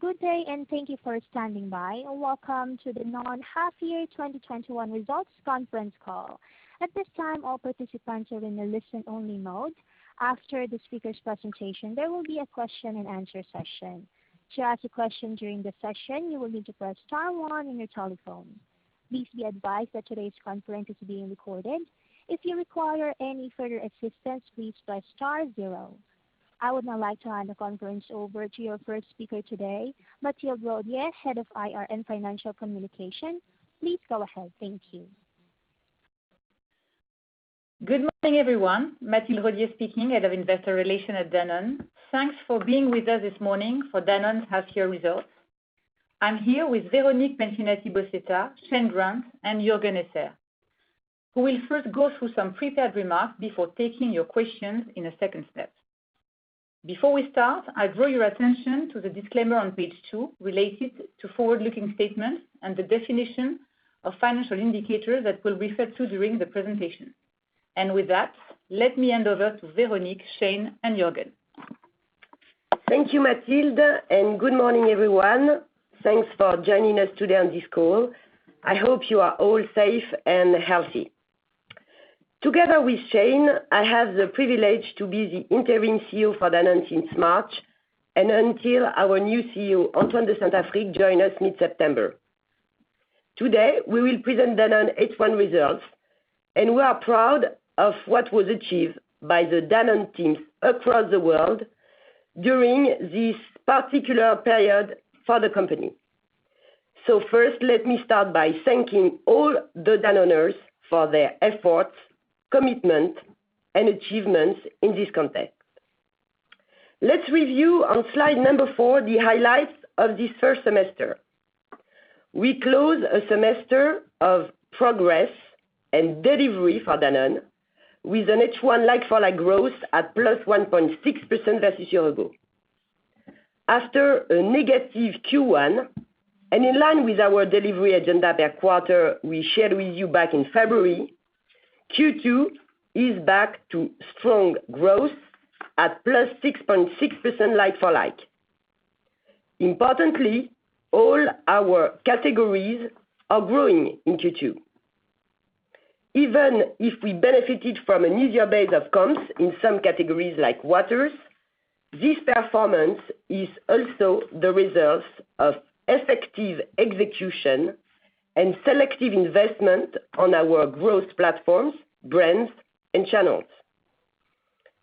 Good day, and thank you for standing by. Welcome to the Danone half year 2021 results conference call. At this time, all participants are in a listen-only mode. After the speaker's presentation, there will be a question and answer session. To ask a question during the session, you will need to press star one zero on your telephone. Please be advised that today's conference is being recorded. If you require any further assistance, please press star zero. I would now like to hand the conference over to your first speaker today, Mathilde Rodié, Head of IR and Financial Communication. Please go ahead. Thank you. Good morning, everyone. Mathilde Rodié speaking, Head of Investor Relations at Danone. Thanks for being with us this morning for Danone's half-year results. I am here with Véronique Penchienati-Bosetta, Shane Grant, and Juergen Esser, who will first go through some prepared remarks before taking your questions in a second step. Before we start, I draw your attention to the disclaimer on page two related to forward-looking statements and the definition of financial indicators that we will refer to during the presentation. With that, let me hand over to Véronique, Shane, and Juergen. Thank you, Mathilde Rodié. Good morning, everyone. Thanks for joining us today on this call. I hope you are all safe and healthy. Together with Shane Grant, I have the privilege to be the interim CEO for Danone since March, and until our new CEO, Antoine de Saint-Affrique, join us mid-September. Today, we will present Danone H1 results. We are proud of what was achieved by the Danone teams across the world during this particular period for the company. First, let me start by thanking all the Danoners for their efforts, commitment, and achievements in this context. Let's review on slide number four the highlights of this first semester. We close a semester of progress and delivery for Danone with an H1 like-for-like growth at +1.6% versus year ago. After a negative Q1, in line with our delivery agenda per quarter we shared with you back in February, Q2 is back to strong growth at +6.6% like-for-like. Importantly, all our categories are growing in Q2. Even if we benefited from an easier base of comps in some categories like waters, this performance is also the result of effective execution and selective investment on our growth platforms, brands, and channels.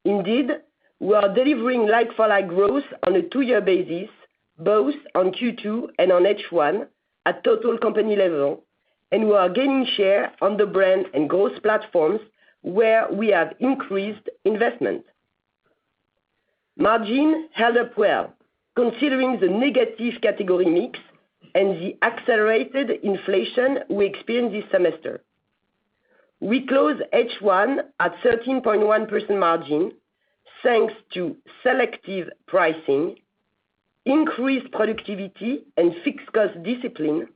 We are delivering like-for-like growth on a two-year basis, both on Q2 and on H1 at total company level, and we are gaining share on the brand and growth platforms where we have increased investment. Margin held up well, considering the negative category mix and the accelerated inflation we experienced this semester. We close H1 at 13.1% margin, thanks to selective pricing, increased productivity, and fixed cost discipline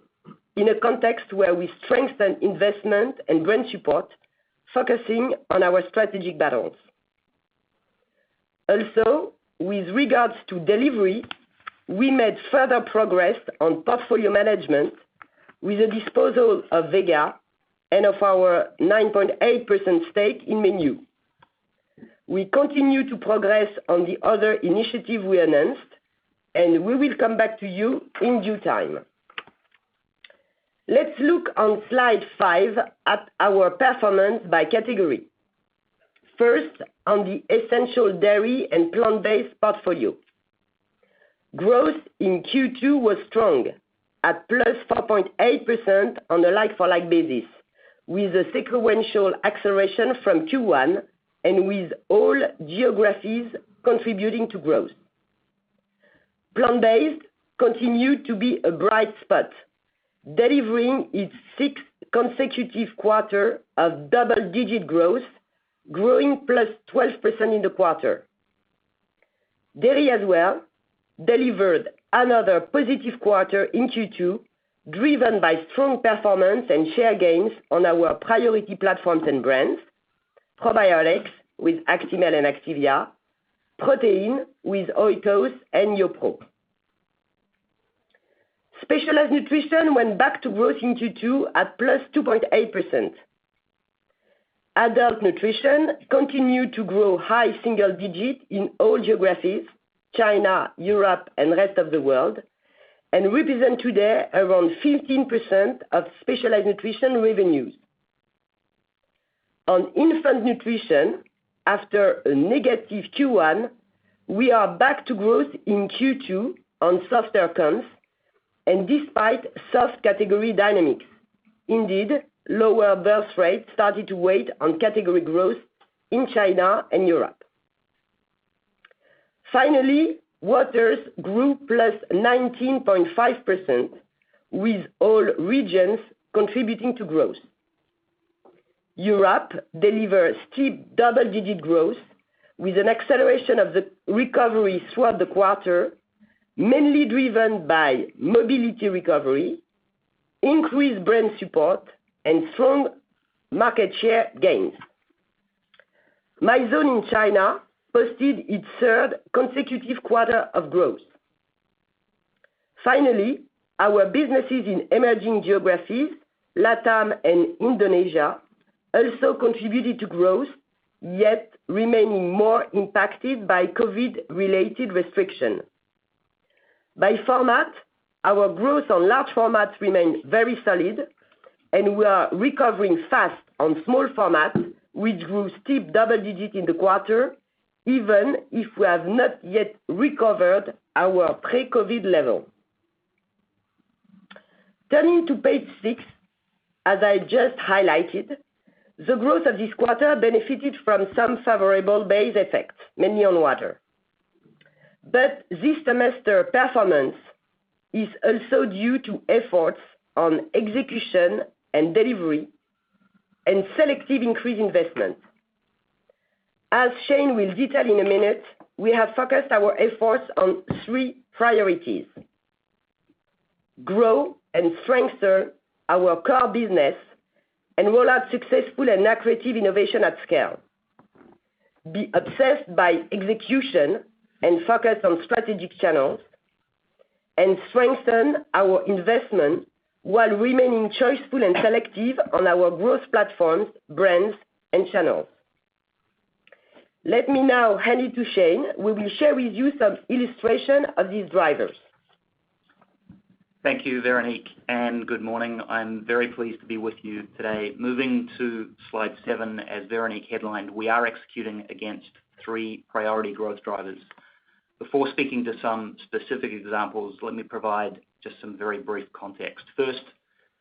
in a context where we strengthen investment and brand support, focusing on our strategic battles. With regards to delivery, we made further progress on portfolio management with the disposal of Vega and of our 9.8% stake in Mengniu. We continue to progress on the other initiative we announced, we will come back to you in due time. Let's look on slide five at our performance by category. First, on the essential dairy and plant-based portfolio. Growth in Q2 was strong, at +4.8% on a like-for-like basis, with a sequential acceleration from Q1 and with all geographies contributing to growth. Plant-based continued to be a bright spot, delivering its 6th consecutive quarter of double-digit growth, growing +12% in the quarter. Dairy as well delivered another positive quarter in Q2, driven by strong performance and share gains on our priority platforms and brands, probiotics with Actimel and Activia, protein with Oikos and YoPRO. Specialized nutrition went back to growth in Q2 at plus 2.8%. Adult nutrition continued to grow high single digit in all geographies, China, Europe, and rest of the world, and represent today around 15% of Specialized nutrition revenues. On Infant nutrition, after a negative Q1, we are back to growth in Q2 on softer comps and despite soft category dynamics. Indeed, lower birth rates started to weigh on category growth in China and Europe. Waters grew plus 19.5% with all regions contributing to growth. Europe delivered steep double-digit growth with an acceleration of the recovery throughout the quarter, mainly driven by mobility recovery, increased brand support, and strong market share gains. Mizone in China posted its third consecutive quarter of growth. Finally, our businesses in emerging geographies, LATAM and Indonesia, also contributed to growth, yet remaining more impacted by COVID-related restriction. By format, our growth on large formats remains very solid, and we are recovering fast on small formats, which grew steep double digits in the quarter, even if we have not yet recovered our pre-COVID level. Turning to page six, as I just highlighted, the growth of this quarter benefited from some favorable base effects, mainly on water. This semester, performance is also due to efforts on execution and delivery and selective increased investment. As Shane will detail in a minute, we have focused our efforts on three priorities: grow and strengthen our core business, and roll out successful and lucrative innovation at scale. Be obsessed by execution and focus on strategic channels, and strengthen our investment while remaining choiceful and selective on our growth platforms, brands, and channels. Let me now hand it to Shane, who will share with you some illustration of these drivers. Thank you, Véronique, and good morning. I'm very pleased to be with you today. Moving to slide seven, as Véronique headlined, we are executing against three priority growth drivers. Before speaking to some specific examples, let me provide just some very brief context. First,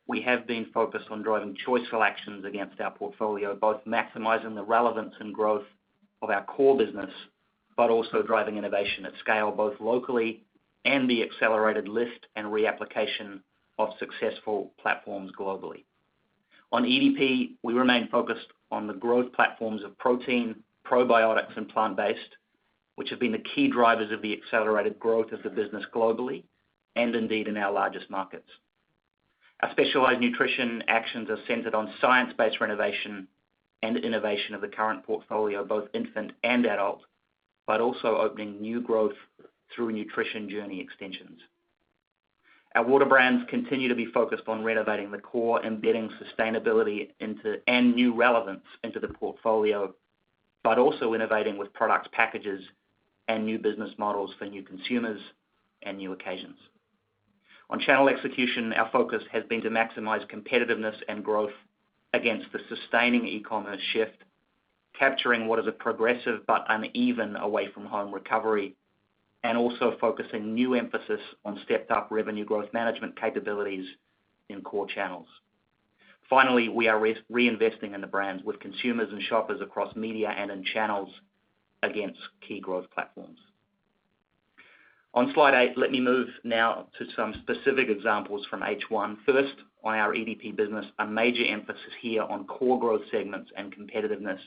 we have been focused on driving choice selections against our portfolio, both maximizing the relevance and growth of our core business, but also driving innovation at scale, both locally and the accelerated list and reapplication of successful platforms globally. On EDP, we remain focused on the growth platforms of protein, probiotics, and plant-based, which have been the key drivers of the accelerated growth of the business globally, and indeed in our largest markets. Our specialized nutrition actions are centered on science-based renovation and innovation of the current portfolio, both infant and adult, but also opening new growth through nutrition journey extensions. Our water brands continue to be focused on renovating the core, embedding sustainability into and new relevance into the portfolio, but also innovating with product packages and new business models for new consumers and new occasions. On channel execution, our focus has been to maximize competitiveness and growth against the sustaining e-commerce shift, capturing what is a progressive but uneven away-from-home recovery, and also focusing new emphasis on stepped-up revenue growth management capabilities in core channels. Finally, we are reinvesting in the brands with consumers and shoppers across media and in channels against key growth platforms. On slide eight, let me move now to some specific examples from H1. First, on our EDP business, a major emphasis here on core growth segments and competitiveness.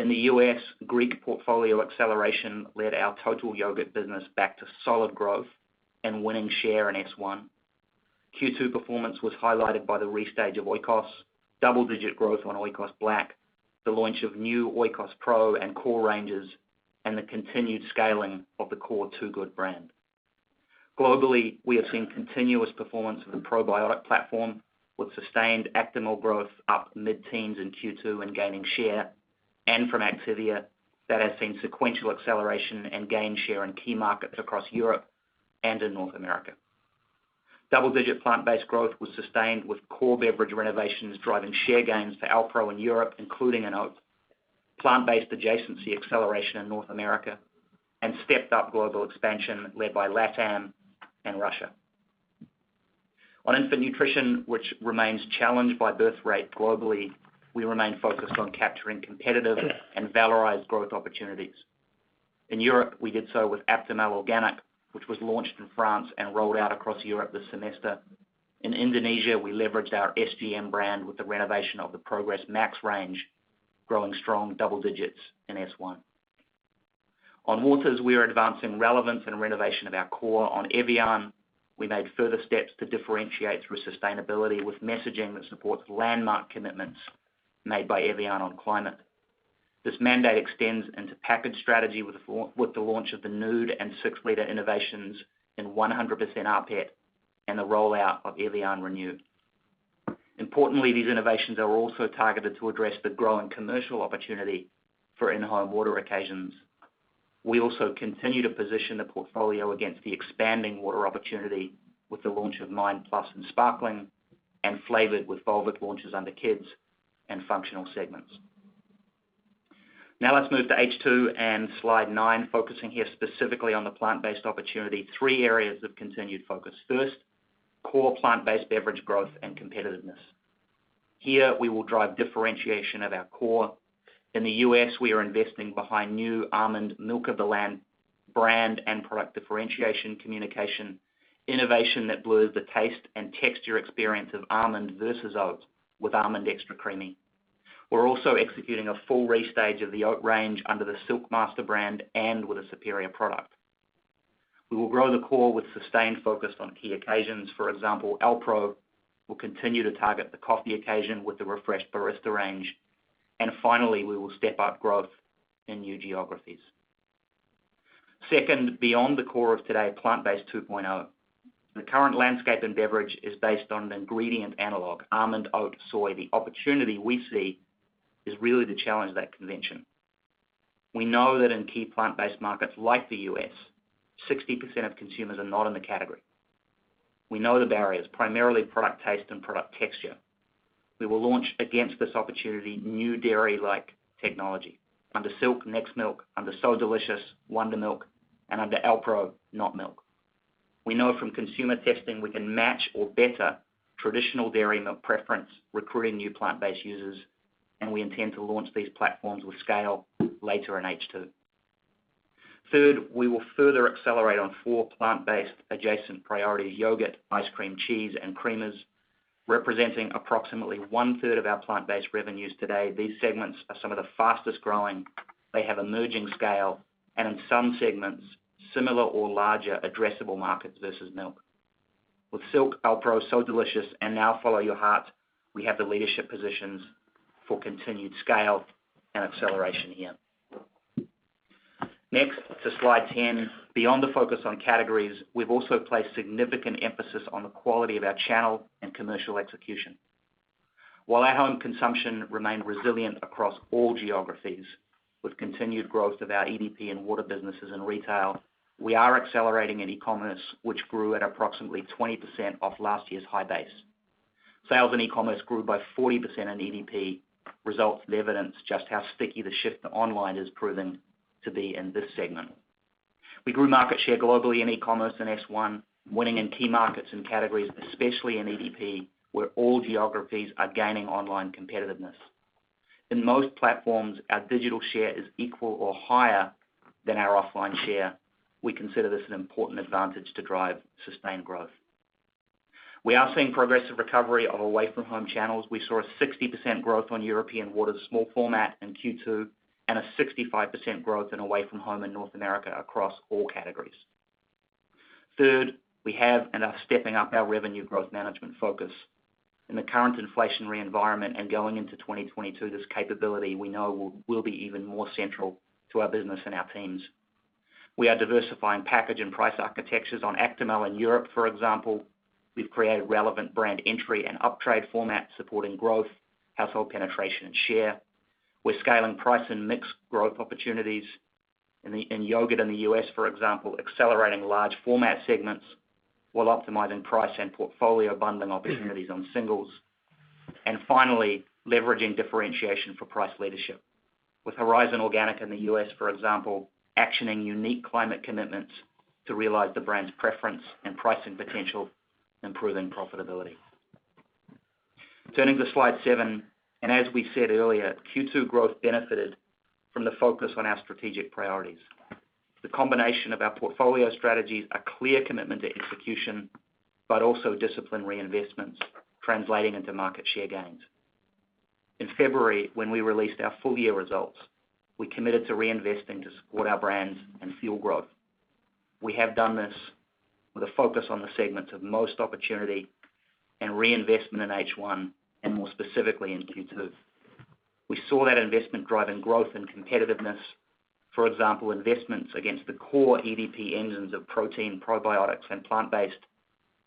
In the U.S., Greek portfolio acceleration led our total yogurt business back to solid growth and winning share in S1. Q2 performance was highlighted by the restage of Oikos, double-digit growth on Oikos Black, the launch of new Oikos Pro and Core ranges, and the continued scaling of the core Two Good brand. Globally, we have seen continuous performance of the probiotic platform with sustained Actimel growth up mid-teens in Q2 and gaining share, and from Activia, that has seen sequential acceleration and gain share in key markets across Europe and in North America. Double-digit plant-based growth was sustained with core beverage renovations driving share gains for Alpro in Europe, including in oats. Plant-based adjacency acceleration in North America, and stepped up global expansion led by LATAM and Russia. On infant nutrition, which remains challenged by birth rate globally, we remain focused on capturing competitive and valorized growth opportunities. In Europe, we did so with Aptamil Organic, which was launched in France and rolled out across Europe this semester. In Indonesia, we leveraged our SGM brand with the renovation of the Pro-gress Maxx range, growing strong double digits in S1. On waters, we are advancing relevance and renovation of our core. On evian, we made further steps to differentiate through sustainability with messaging that supports landmark commitments made by evian on climate. This mandate extends into package strategy with the launch of the nude and six-liter innovations in 100% rPET and the rollout of evian (re)new. Importantly, these innovations are also targeted to address the growing commercial opportunity for in-home water occasions. We also continue to position the portfolio against the expanding water opportunity with the launch of Mizone+ and Sparkling and flavored with Volvic launches under kids and functional segments. Now let's move to H2 and slide nine, focusing here specifically on the plant-based opportunity, three areas of continued focus. First, core plant-based beverage growth and competitiveness. Here, we will drive differentiation of our core. In the U.S., we are investing behind new almond Milk of the Land brand and product differentiation communication, innovation that blurs the taste and texture experience of almond versus oats with almond extra creamy. We're also executing a full restage of the oat range under the Silk master brand and with a superior product. We will grow the core with sustained focus on key occasions. For example, Alpro will continue to target the coffee occasion with the refreshed barista range. Finally, we will step up growth in new geographies. Second, beyond the core of today, plant-based 2.0. The current landscape in beverage is based on an ingredient analog, almond, oat, soy. The opportunity we see is really to challenge that convention. We know that in key plant-based markets like the U.S., 60% of consumers are not in the category. We know the barriers, primarily product taste and product texture. We will launch against this opportunity new dairy-like technology. Under Silk, Nextmilk, under So Delicious, Wondermilk, and under Alpro, This Is Not M*lk. We know from consumer testing we can match or better traditional dairy milk preference, recruiting new plant-based users, and we intend to launch these platforms with scale later in H2. Third, we will further accelerate on four plant-based adjacent priority: yogurt, ice cream, cheese, and creamers, representing approximately 1/3 of our plant-based revenues today. These segments are some of the fastest-growing. They have emerging scale, and in some segments, similar or larger addressable markets versus milk. With Silk, Alpro, So Delicious, and now Follow Your Heart, we have the leadership positions for continued scale and acceleration here. Next, to slide 10. Beyond the focus on categories, we've also placed significant emphasis on the quality of our channel and commercial execution. While our home consumption remained resilient across all geographies, with continued growth of our EDP and water businesses in retail, we are accelerating in e-commerce, which grew at approximately 20% off last year's high base. Sales in e-commerce grew by 40% in EDP, results and evidence just how sticky the shift to online has proven to be in this segment. We grew market share globally in e-commerce in S1, winning in key markets and categories, especially in EDP, where all geographies are gaining online competitiveness. In most platforms, our digital share is equal or higher than our offline share. We consider this an important advantage to drive sustained growth. We are seeing progressive recovery of away-from-home channels. We saw a 60% growth on European waters small format in Q2 and a 65% growth in away from home in North America across all categories. Third, we have and are stepping up our revenue growth management focus. In the current inflationary environment and going into 2022, this capability we know will be even more central to our business and our teams. We are diversifying package and price architectures on Actimel in Europe, for example. We've created relevant brand entry and uptrade formats supporting growth, household penetration, and share. We're scaling price and mix growth opportunities. In yogurt in the U.S., for example, accelerating large format segments while optimizing price and portfolio bundling opportunities on singles. Finally, leveraging differentiation for price leadership. With Horizon Organic in the U.S., for example, actioning unique climate commitments to realize the brand's preference and pricing potential, improving profitability. Turning to slide seven, as we said earlier, Q2 growth benefited from the focus on our strategic priorities. The combination of our portfolio strategies, a clear commitment to execution, also disciplined reinvestments translating into market share gains. In February, when we released our full-year results, we committed to reinvesting to support our brands and fuel growth. We have done this with a focus on the segments of most opportunity and reinvestment in H1 and more specifically in Q2. We saw that investment driving growth and competitiveness. For example, investments against the core EDP engines of protein, probiotics, and plant-based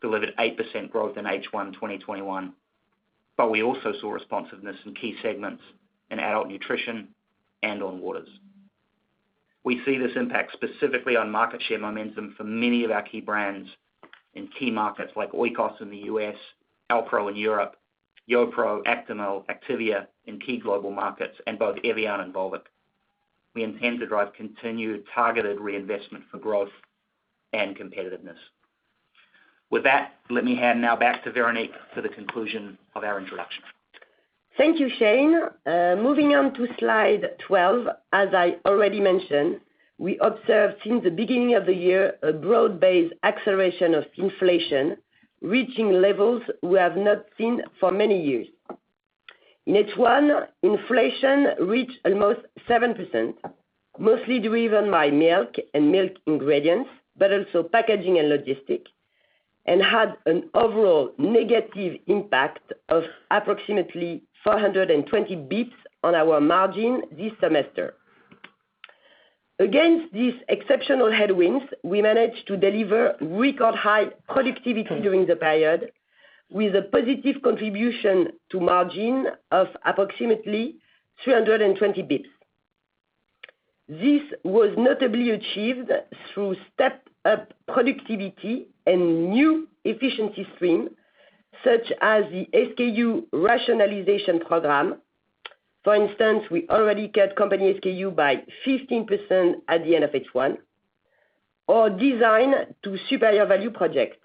delivered 8% growth in H1 2021. We also saw responsiveness in key segments in adult nutrition and on waters. We see this impact specifically on market share momentum for many of our key brands in key markets like Oikos in the U.S., Alpro in Europe, YoPRO, Actimel, Activia in key global markets, and both evian and Volvic. We intend to drive continued targeted reinvestment for growth and competitiveness. With that, let me hand now back to Véronique for the conclusion of our introduction. Thank you, Shane. Moving on to slide 12, as I already mentioned, we observed since the beginning of the year a broad-based acceleration of inflation, reaching levels we have not seen for many years. In H1, inflation reached almost 7%, mostly driven by milk and milk ingredients, but also packaging and logistics, and had an overall negative impact of approximately 420 bps on our margin this semester. Against these exceptional headwinds, we managed to deliver record high productivity during the period with a positive contribution to margin of approximately 320 bps. This was notably achieved through step-up productivity and new efficiency stream, such as the SKU rationalization program. For instance, we already cut company SKU by 15% at the end of H1 or Design to Superior Value project.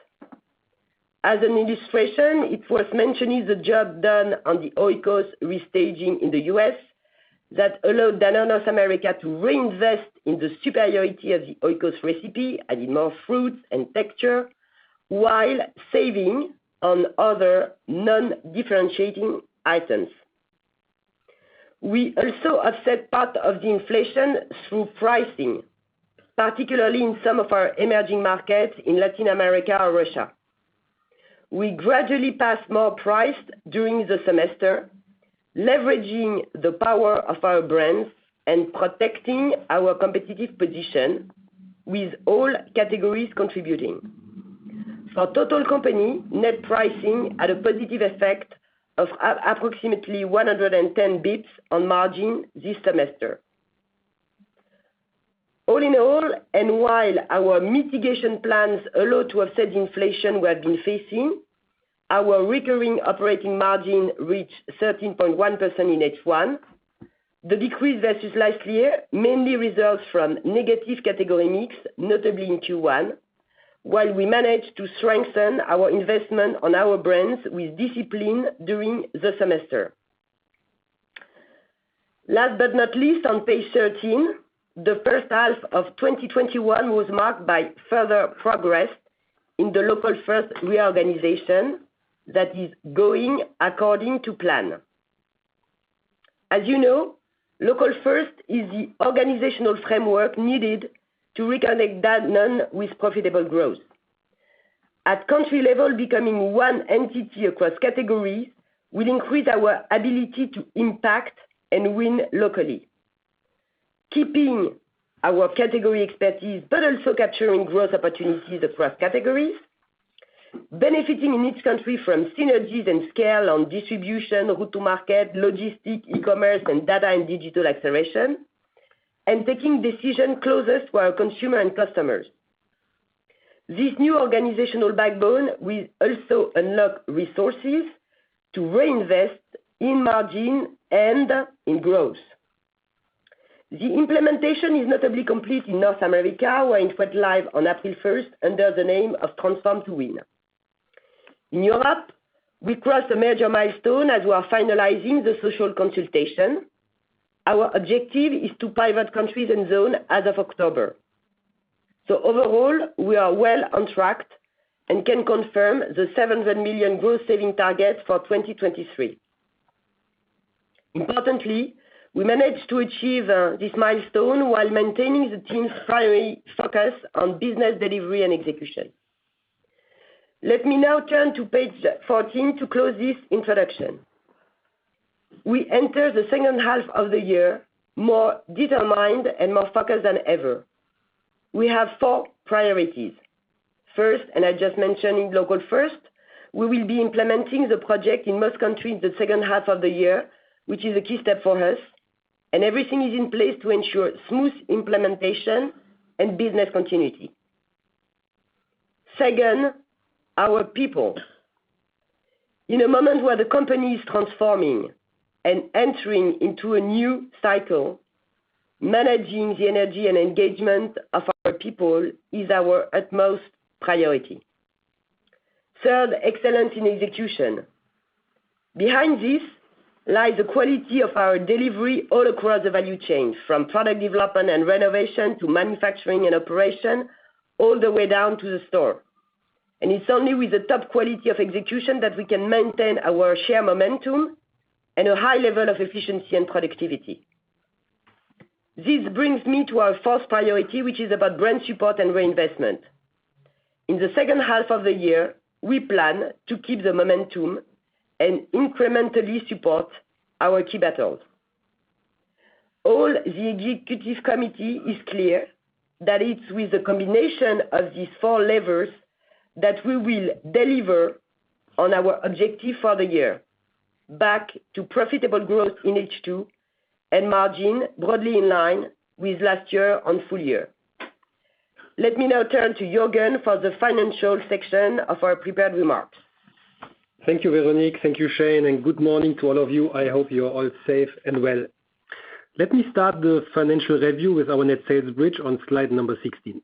As an illustration, it's worth mentioning the job done on the Oikos restaging in the U.S. that allowed Danone North America to reinvest in the superiority of the Oikos recipe, adding more fruits and texture, while saving on other non-differentiating items. We also offset part of the inflation through pricing, particularly in some of our emerging markets in Latin America or Russia. We gradually passed more price during the semester, leveraging the power of our brands and protecting our competitive position with all categories contributing. For total company, net pricing had a positive effect of approximately 110 bps on margin this semester. All in all, while our mitigation plans allow to offset inflation we have been facing, our recurring operating margin reached 13.1% in H1. The decrease versus last year mainly results from negative category mix, notably in Q1, while we managed to strengthen our investment on our brands with discipline during the semester. Last but not least, on page 13, the first half of 2021 was marked by further progress in the Local First reorganization that is going according to plan. As you know, Local First is the organizational framework needed to reconnect Danone with profitable growth. At country level, becoming one entity across categories will increase our ability to impact and win locally, keeping our category expertise, but also capturing growth opportunities across categories, benefiting in each country from synergies and scale on distribution, go-to-market, logistic, e-commerce, and data and digital acceleration, and taking decision closest to our consumer and customers. This new organizational backbone will also unlock resources to reinvest in margin and in growth. The implementation is notably complete in North America, where it went live on April 1st under the name of Transform to Win. In Europe, we crossed a major milestone as we are finalizing the social consultation. Our objective is to pivot countries and zone as of October. Overall, we are well on track and can confirm the 700 million growth saving target for 2023. Importantly, we managed to achieve this milestone while maintaining the team's primary focus on business delivery and execution. Let me now turn to page 14 to close this introduction. We enter the 2nd half of the year more determined and more focused than ever. We have four priorities. First, I just mentioned Local First, we will be implementing the project in most countries the second half of the year, which is a key step for us. Everything is in place to ensure smooth implementation and business continuity. Second, our people. In a moment where the company is transforming and entering into a new cycle, managing the energy and engagement of our people is our utmost priority. Third, excellence in execution. Behind this lies the quality of our delivery all across the value chain, from product development and renovation to manufacturing and operation, all the way down to the store. It's only with the top quality of execution that we can maintain our share momentum and a high level of efficiency and productivity. This brings me to our fourth priority, which is about brand support and reinvestment. In the second half of the year, we plan to keep the momentum and incrementally support our key battles. All the executive committee is clear that it is with the combination of these four levers that we will deliver on our objective for the year, back to profitable growth in H2 and margin broadly in line with last year on full year. Let me now turn to Juergen for the financial section of our prepared remarks. Thank you, Véronique. Thank you, Shane. Good morning to all of you. I hope you are all safe and well. Let me start the financial review with our net sales bridge on slide number 16.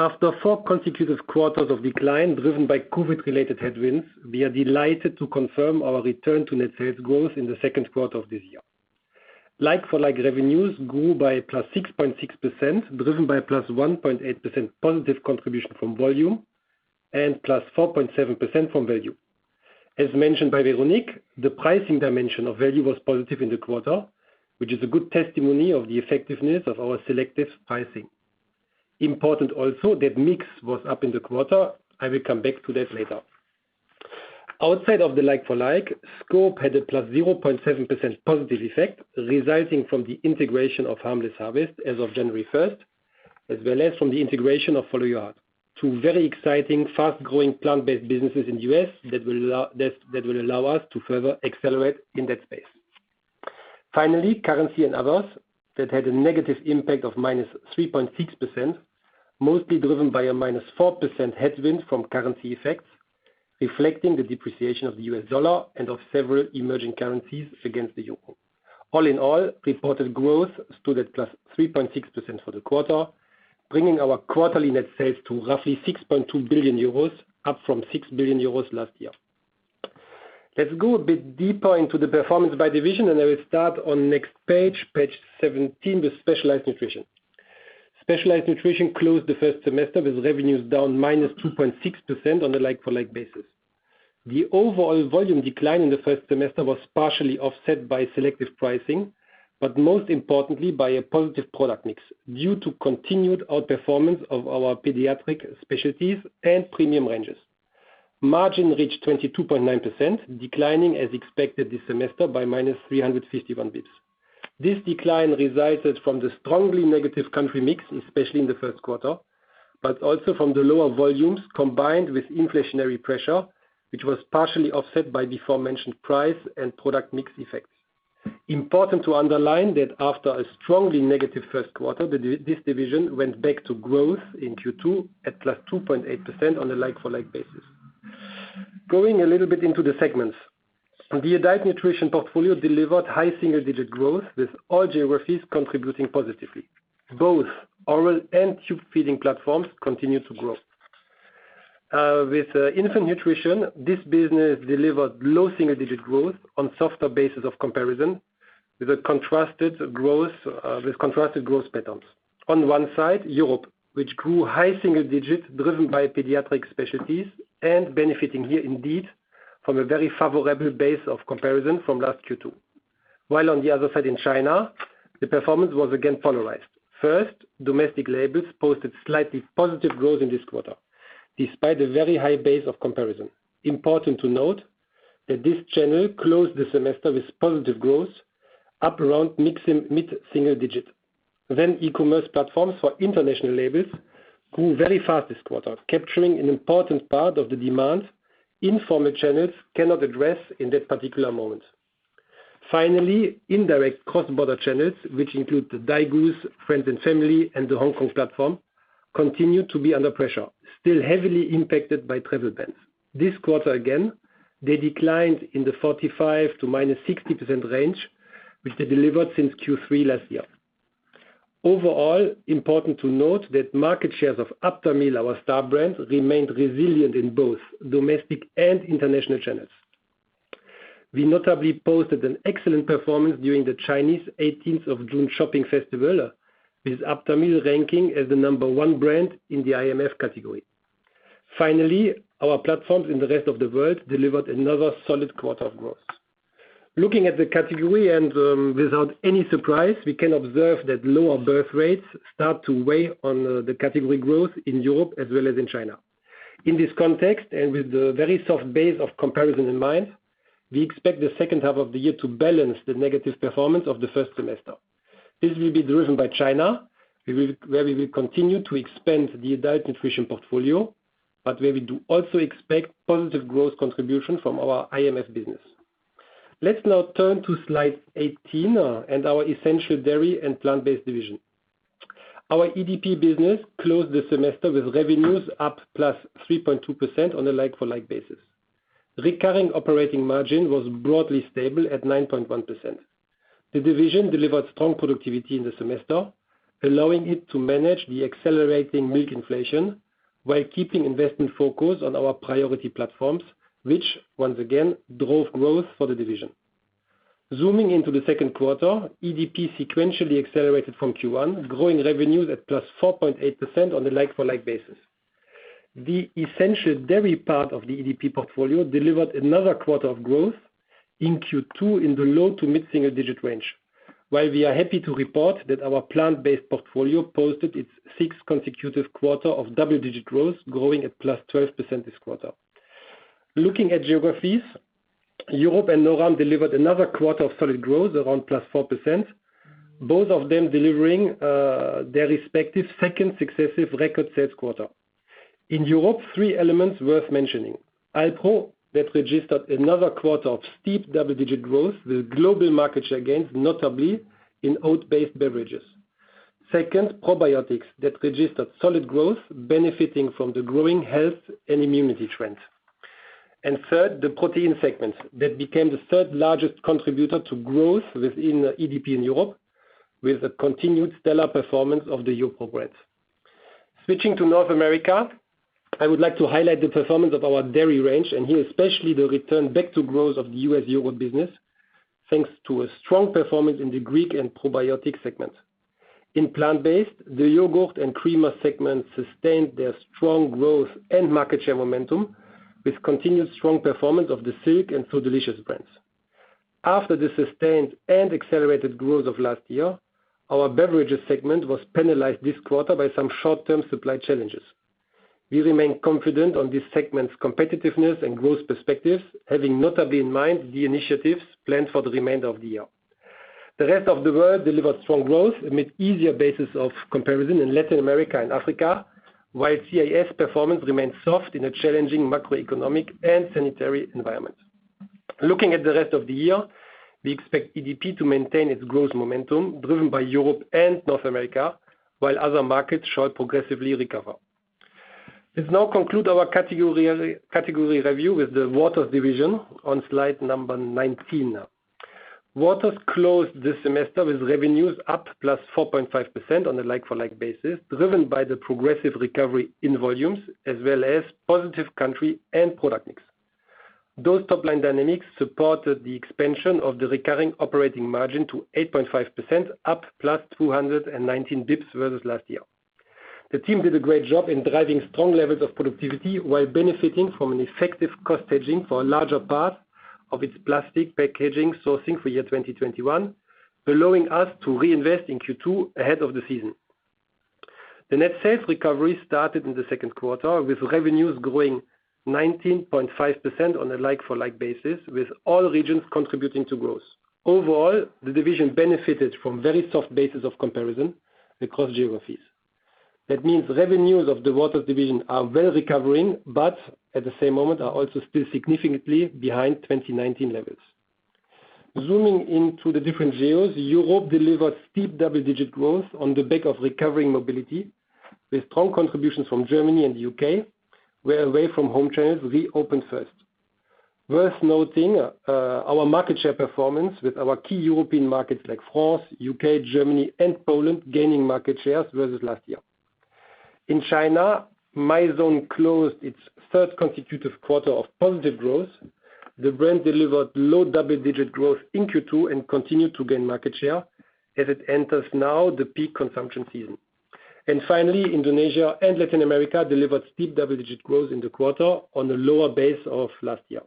After four consecutive quarters of decline driven by COVID-related headwinds, we are delighted to confirm our return to net sales growth in the second quarter of this year. Like-for-like revenues grew by +6.6%, driven by +1.8% positive contribution from volume and +4.7% from value. As mentioned by Véronique, the pricing dimension of value was positive in the quarter, which is a good testimony of the effectiveness of our selective pricing. Important also that mix was up in the quarter. I will come back to that later. Outside of the like-for-like, scope had a +0.7% positive effect, resulting from the integration of Harmless Harvest as of January 1st, as well as from the integration of Follow Your Heart, two very exciting, fast-growing plant-based businesses in the U.S. that will allow us to further accelerate in that space. Finally, currency and others, that had a negative impact of -3.6%, mostly driven by a -4% headwind from currency effects, reflecting the depreciation of the U.S. dollar and of several emerging currencies against the EUR. All in all, reported growth stood at +3.6% for the quarter, bringing our quarterly net sales to roughly 6.2 billion euros, up from 6 billion euros last year. Let's go a bit deeper into the performance by division, I will start on next page 17, with Specialized Nutrition. Specialized Nutrition closed the first semester with revenues down -2.6% on a like-for-like basis. The overall volume decline in the first semester was partially offset by selective pricing, but most importantly by a positive product mix due to continued outperformance of our pediatric specialties and premium ranges. Margin reached 22.9%, declining as expected this semester by -351 bps. This decline resulted from the strongly negative country mix, especially in the first quarter, but also from the lower volumes combined with inflationary pressure, which was partially offset by before-mentioned price and product mix effects. Important to underline that after a strongly negative first quarter, this division went back to growth in Q2 at +2.8% on a like-for-like basis. Going a little bit into the segments. The adult nutrition portfolio delivered high single-digit growth, with all geographies contributing positively. Both oral and tube feeding platforms continue to grow. With infant nutrition, this business delivered low single-digit growth on softer bases of comparison with contrasted growth patterns. On one side, Europe, which grew high single digits driven by pediatric specialties and benefiting here indeed from a very favorable base of comparison from last Q2. While on the other side in China, the performance was again polarized. First, domestic labels posted slightly positive growth in this quarter, despite a very high base of comparison. Important to note that this channel closed the semester with positive growth up around mid-single digits. E-commerce platforms for international labels grew very fast this quarter, capturing an important part of the demand informal channels cannot address in that particular moment. Indirect cross-border channels, which include the Daigou's friends and family and the Hong Kong platform, continue to be under pressure, still heavily impacted by travel bans. This quarter again, they declined in the 45% to -60% range, which they delivered since Q3 last year. Overall, important to note that market shares of Aptamil, our star brand, remained resilient in both domestic and international channels. We notably posted an excellent performance during the Chinese 18th of June Shopping Festival, with Aptamil ranking as the number one brand in the IMF category. Finally, our platforms in the rest of the world delivered another solid quarter of growth. Looking at the category and, without any surprise, we can observe that lower birth rates start to weigh on the category growth in Europe as well as in China. In this context, and with the very soft base of comparison in mind, we expect the second half of the year to balance the negative performance of the first semester. This will be driven by China, where we will continue to expand the adult nutrition portfolio, but where we do also expect positive growth contribution from our IMF business. Let's now turn to slide 18 and our essential dairy and plant-based division. Our EDP business closed the semester with revenues up +3.2% on a like-for-like basis. Recurring operating margin was broadly stable at 9.1%. The division delivered strong productivity in the semester, allowing it to manage the accelerating milk inflation while keeping investment focus on our priority platforms, which once again drove growth for the division. Zooming into the second quarter, EDP sequentially accelerated from Q1, growing revenues at +4.8% on a like-for-like basis. The essential dairy part of the EDP portfolio delivered another quarter of growth in Q2 in the low to mid-single digit range. While we are happy to report that our plant-based portfolio posted its sixth consecutive quarter of double-digit growth, growing at +12% this quarter. Looking at geographies, Europe and NORAM delivered another quarter of solid growth around +4%, both of them delivering their respective second successive record sales quarter. In Europe, three elements worth mentioning. Alpro, that registered another quarter of steep double-digit growth with global market share gains, notably in oat-based beverages. Second, probiotics that registered solid growth benefiting from the growing health and immunity trend. Third, the protein segment that became the third largest contributor to growth within EDP in Europe, with a continued stellar performance of the YoPRO brands. Switching to North America, I would like to highlight the performance of our dairy range, here, especially the return back to growth of the U.S. yogurt business, thanks to a strong performance in the Greek and probiotic segment. In plant-based, the yogurt and creamer segments sustained their strong growth and market share momentum with continued strong performance of the Silk and So Delicious brands. After the sustained and accelerated growth of last year, our beverages segment was penalized this quarter by some short-term supply challenges. We remain confident on this segment's competitiveness and growth perspectives, having notably in mind the initiatives planned for the remainder of the year. The rest of the world delivered strong growth amid easier bases of comparison in Latin America and Africa, while CIS performance remains soft in a challenging macroeconomic and sanitary environment. Looking at the rest of the year, we expect EDP to maintain its growth momentum driven by Europe and North America, while other markets shall progressively recover. Let's now conclude our category review with the Waters division on slide number 19. Waters closed this semester with revenues up +4.5% on a like-for-like basis, driven by the progressive recovery in volumes as well as positive country and product mix. Those top-line dynamics supported the expansion of the recurring operating margin to 8.5%, up +219 bps versus last year. The team did a great job in driving strong levels of productivity while benefiting from an effective cost hedging for a larger part of its plastic packaging sourcing for year 2021, allowing us to reinvest in Q2 ahead of the season. The net sales recovery started in the second quarter, with revenues growing 19.5% on a like-for-like basis, with all regions contributing to growth. Overall, the division benefited from very soft bases of comparison across geographies. That means revenues of the Waters division are well recovering, but at the same moment, are also still significantly behind 2019 levels. Zooming into the different geos, Europe delivered steep double-digit growth on the back of recovering mobility, with strong contributions from Germany and the U.K., where away-from-home channels reopened first. Worth nothing our market share performance with our key European markets like France, U.K., Germany, and Poland gaining market shares versus last year. In China, Mizone closed its third consecutive quarter of positive growth. The brand delivered low double-digit growth in Q2 and continued to gain market share as it enters now the peak consumption season. Finally, Indonesia and Latin America delivered steep double-digit growth in the quarter on a lower base of last year.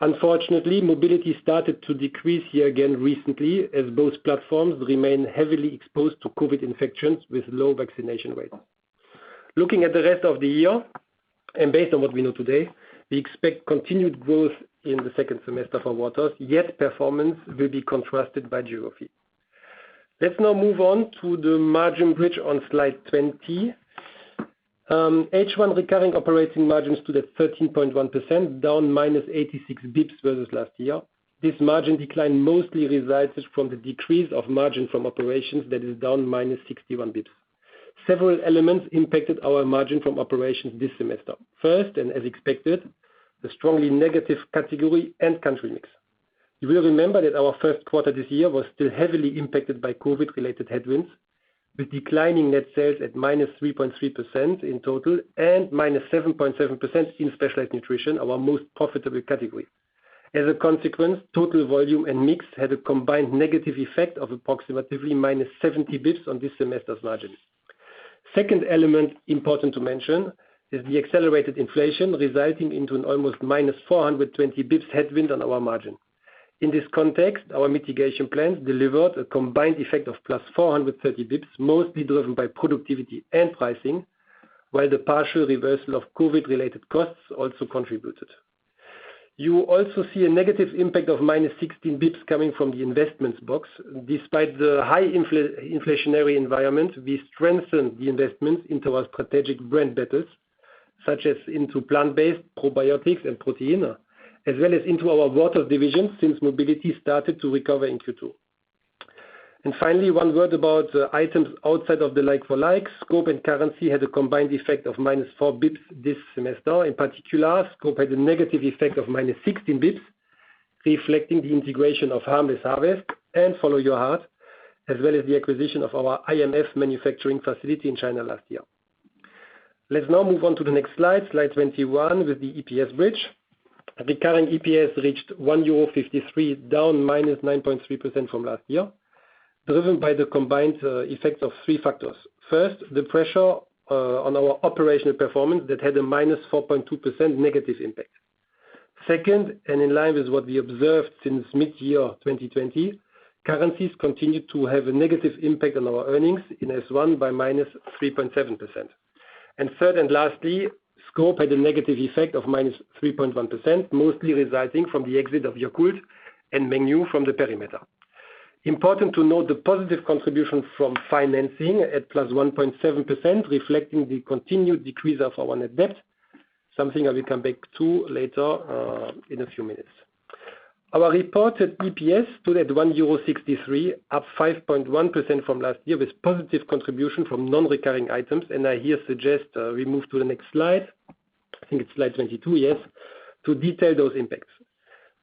Unfortunately, mobility started to decrease here again recently as both platforms remain heavily exposed to COVID infections with low vaccination rates. Looking at the rest of the year, based on what we know today, we expect continued growth in the second semester for Waters, yet performance will be contrasted by geography. Let's now move on to the margin bridge on slide 20. H1 recurring operating margins stood at 13.1%, down -86 bps versus last year. This margin decline mostly resulted from the decrease of margin from operations that is down -61 bps. Several elements impacted our margin from operations this semester. First, as expected, the strongly negative category and country mix. You will remember that our first quarter this year was still heavily impacted by COVID-related headwinds, with declining net sales at -3.3% in total and -7.7% in specialized nutrition, our most profitable category. As a consequence, total volume and mix had a combined negative effect of approximately -70 basis points on this semester's margins. Second element important to mention is the accelerated inflation resulting into an almost -420 basis points headwind on our margin. In this context, our mitigation plans delivered a combined effect of +430 basis points, mostly driven by productivity and pricing, while the partial reversal of COVID-related costs also contributed. You also see a negative impact of -16 basis points coming from the investments box. Despite the high inflationary environment, we strengthened the investments into our strategic brand betters, such as into plant-based probiotics and protein, as well as into our Waters Division since mobility started to recover in Q2. Finally, one word about items outside of the like-for-like. Scope and currency had a combined effect of -4 bps this semester. In particular, Scope had a negative effect of -16 bps, reflecting the integration of Harmless Harvest and Follow Your Heart, as well as the acquisition of our IMF manufacturing facility in China last year. Let's now move on to the next slide 21, with the EPS bridge. The current EPS reached €1.53, down -9.3% from last year, driven by the combined effect of three factors. First, the pressure on our operational performance that had a -4.2% negative impact. Second, in line with what we observed since mid-year 2020, currencies continued to have a negative impact on our earnings in H1 by -3.7%. Third and lastly, Scope had a negative effect of -3.1%, mostly resulting from the exit of Yakult and Mengniu from the perimeter. Important to note the positive contribution from financing at +1.7%, reflecting the continued decrease of our net debt, something I will come back to later in a few minutes. Our reported EPS stood at 1.63 euro, up 5.1% from last year, with positive contribution from non-recurring items. I here suggest we move to the next slide, I think it's slide 22, yes, to detail those impacts.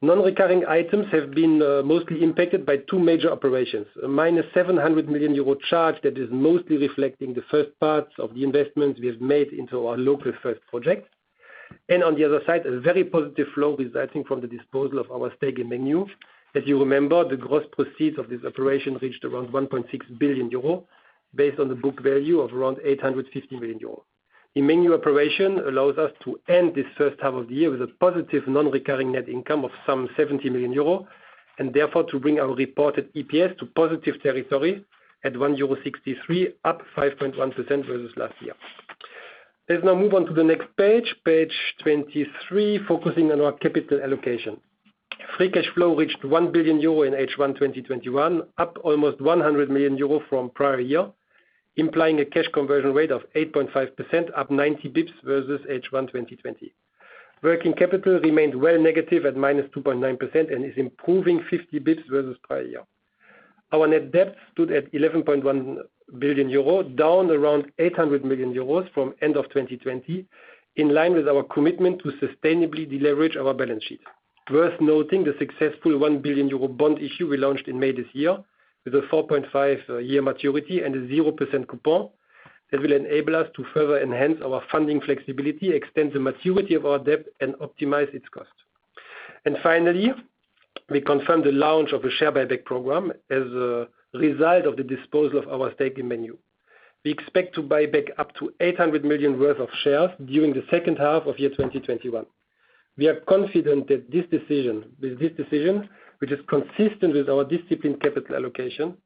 Non-recurring items have been mostly impacted by two major operations: a 700 million euro charge that is mostly reflecting the first part of the investment we have made into our Local First project. On the other side, a very positive flow resulting from the disposal of our stake in Mengniu. As you remember, the gross proceeds of this operation reached around 1.6 billion euros, based on the book value of around 850 million euros. The Mengniu operation allows us to end this first half of the year with a positive non-recurring net income of some 70 million euro, and therefore, to bring our reported EPS to positive territory at 1.63 euro, up 5.1% versus last year. Let's now move on to the next page 23, focusing on our capital allocation. Free cash flow reached 1 billion euro in H1 2021, up almost 100 million euro from prior year, implying a cash conversion rate of 8.5%, up 90 basis points versus H1 2020. Working capital remained well negative at -2.9% and is improving 50 basis points versus prior year. Our net debt stood at 11.1 billion euro, down around 800 million euros from end of 2020, in line with our commitment to sustainably deleverage our balance sheet. Worth noting the successful 1 billion euro bond issue we launched in May this year with a 4.5-year maturity and a zero percent coupon. That will enable us to further enhance our funding flexibility, extend the maturity of our debt and optimize its cost. Finally, we confirmed the launch of a share buyback program as a result of the disposal of our stake in Mengniu. We expect to buy back up to 800 million worth of shares during the second half of year 2021. We are confident that with this decision, which is consistent with our disciplined capital allocation,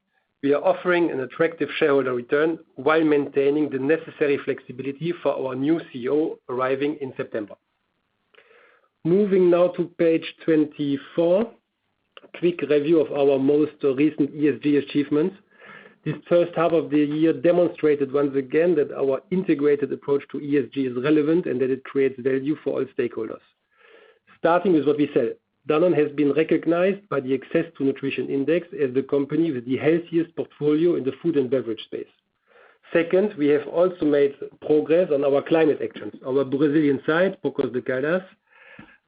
we are offering an attractive shareholder return while maintaining the necessary flexibility for our new CEO arriving in September. Moving now to page 24, a quick review of our most recent ESG achievements. This first half of the year demonstrated once again that our integrated approach to ESG is relevant and that it creates value for all stakeholders. Starting with what we said, Danone has been recognized by the Access to Nutrition Index as the company with the healthiest portfolio in the food and beverage space. Second, we have also made progress on our climate actions. Our Brazilian site, Poços de Caldas,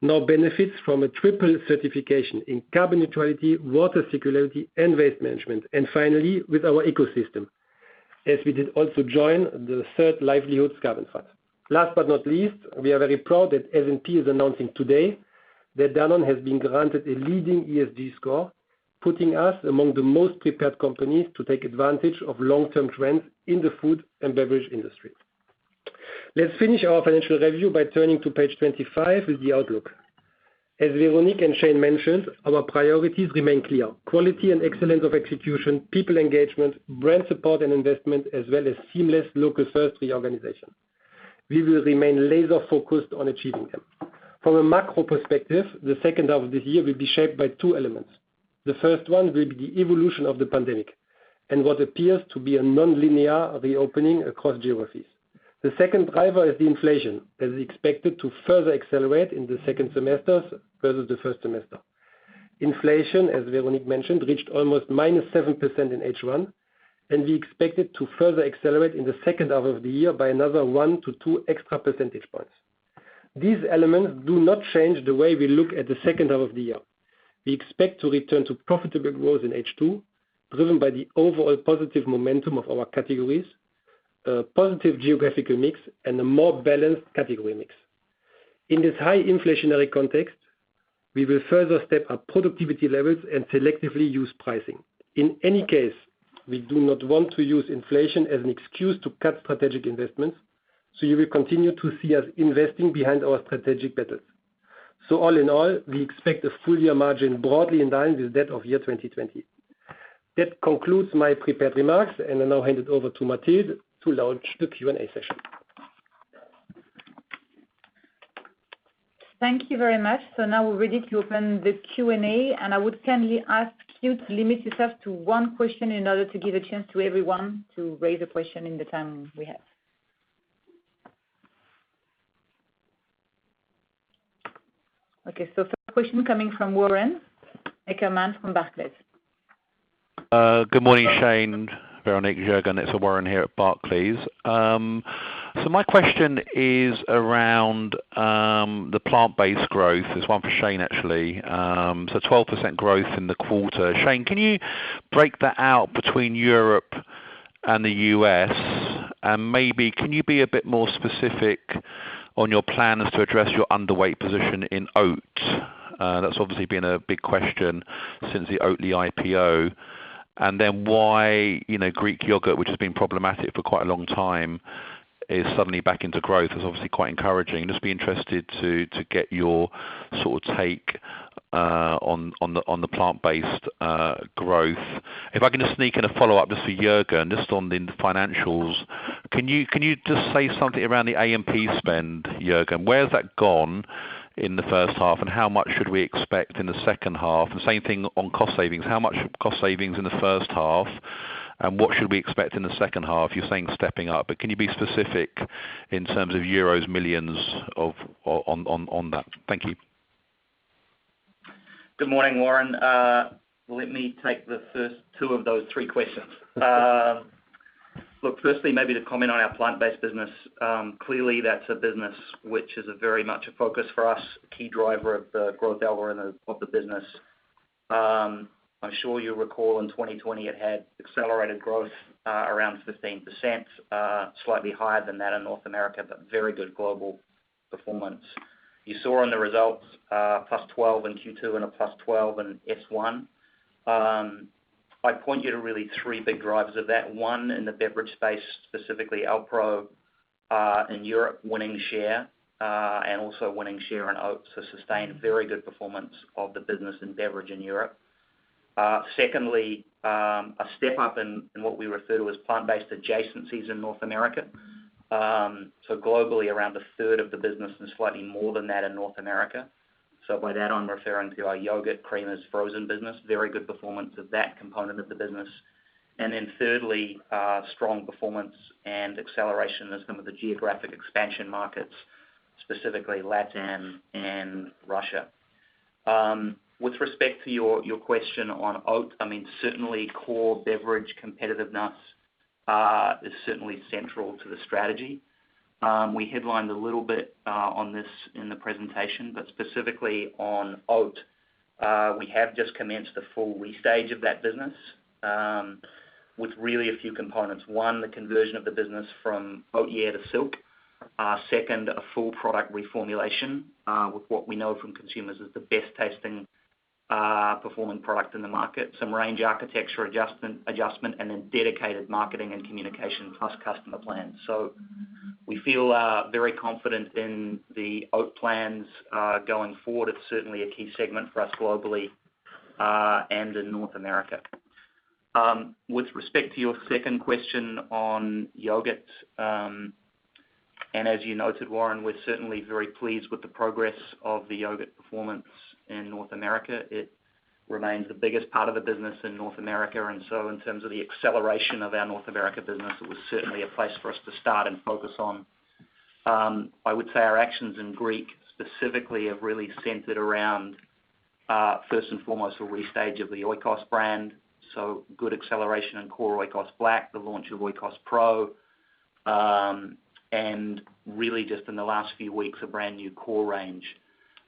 now benefits from a triple certification in carbon neutrality, water circularity, and waste management. Finally, with our ecosystem, as we did also join the third Livelihoods Carbon Fund. Last but not least, we are very proud that S&P is announcing today that Danone has been granted a leading ESG score, putting us among the most prepared companies to take advantage of long-term trends in the food and beverage industry. Let's finish our financial review by turning to page 25 with the outlook. As Véronique and Shane mentioned, our priorities remain clear. Quality and excellence of execution, people engagement, brand support, and investment, as well as seamless local search reorganization. We will remain laser focused on achieving them. From a macro perspective, the second half of the year will be shaped by two elements. The first one will be the evolution of the pandemic, and what appears to be a nonlinear reopening across geographies. The second driver is the inflation that is expected to further accelerate in the second semester versus the first semester. Inflation, as Véronique mentioned, reached almost -7% in H1, and we expect it to further accelerate in the second half of the year by another 1-2 extra percentage points. These elements do not change the way we look at the second half of the year. We expect to return to profitable growth in H2, driven by the overall positive momentum of our categories, a positive geographical mix, and a more balanced category mix. In this high inflationary context, we will further step up productivity levels and selectively use pricing. In any case, we do not want to use inflation as an excuse to cut strategic investments, so you will continue to see us investing behind our strategic bets. All in all, we expect a full year margin broadly in line with that of year 2020. That concludes my prepared remarks, and I now hand it over to Mathilde to launch the Q&A session. Thank you very much. Now we're ready to open the Q&A, and I would kindly ask you to limit yourself to one question in order to give a chance to everyone to raise a question in the time we have. First question coming from Warren Ackerman from Barclays. Good morning, Shane, Véronique, Juergen. It's Warren here at Barclays. My question is around the plant-based growth. It's one for Shane, actually. 12% growth in the quarter. Shane, can you break that out between Europe and the U.S., and maybe can you be a bit more specific on your plans to address your underweight position in oat? That's obviously been a big question since the Oatly IPO. Why Greek yogurt, which has been problematic for quite a long time, is suddenly back into growth. It's obviously quite encouraging. I'd just be interested to get your take on the plant-based growth. I can just sneak in a follow-up just for Juergen, just on the financials. Can you just say something around the A&P spend, Juergen? Where has that gone in the first half? How much should we expect in the second half? The same thing on cost savings. How much cost savings in the first half, and what should we expect in the second half? You're saying stepping up, but can you be specific in terms of euros millions on that? Thank you. Good morning, Warren. Let me take the first two of those three questions. Look, firstly, maybe to comment on our plant-based business. Clearly that's a business which is very much a focus for us, a key driver of the growth algorithm of the business. I'm sure you'll recall in 2020 it had accelerated growth, around 15%, slightly higher than that in North America, but very good global performance. You saw in the results, plus 12 in Q2 and a plus 12 in S1. I'd point you to really three big drivers of that. One, in the beverage space, specifically Alpro, in Europe, winning share, and also winning share in oats. Sustained very good performance of the business in beverage in Europe. Secondly, a step up in what we refer to as plant-based adjacencies in North America. Globally, around a third of the business and slightly more than that in North America. By that, I'm referring to our yogurt, creamers, frozen business. Very good performance of that component of the business. Thirdly, strong performance and acceleration in some of the geographic expansion markets, specifically LATAM and Russia. With respect to your question on oat, certainly core beverage competitiveness is certainly central to the strategy. We headlined a little bit on this in the presentation. Specifically on oat, we have just commenced the full restage of that business with really a few components. One, the conversion of the business from Oat Yeah! to Silk. Second, a full product reformulation with what we know from consumers is the best-tasting performing product in the market, some range architecture adjustment, and dedicated marketing and communication plus customer plans. We feel very confident in the oat plans going forward. It's certainly a key segment for us globally and in North America. With respect to your second question on yogurt, as you noted, Warren, we're certainly very pleased with the progress of the yogurt performance in North America. It remains the biggest part of the business in North America. In terms of the acceleration of our North America business, it was certainly a place for us to start and focus on. I would say our actions in Greek specifically have really centered around, first and foremost, a restage of the Oikos brand. Good acceleration in core Oikos Black, the launch of Oikos Pro, and really just in the last few weeks, a brand new core range.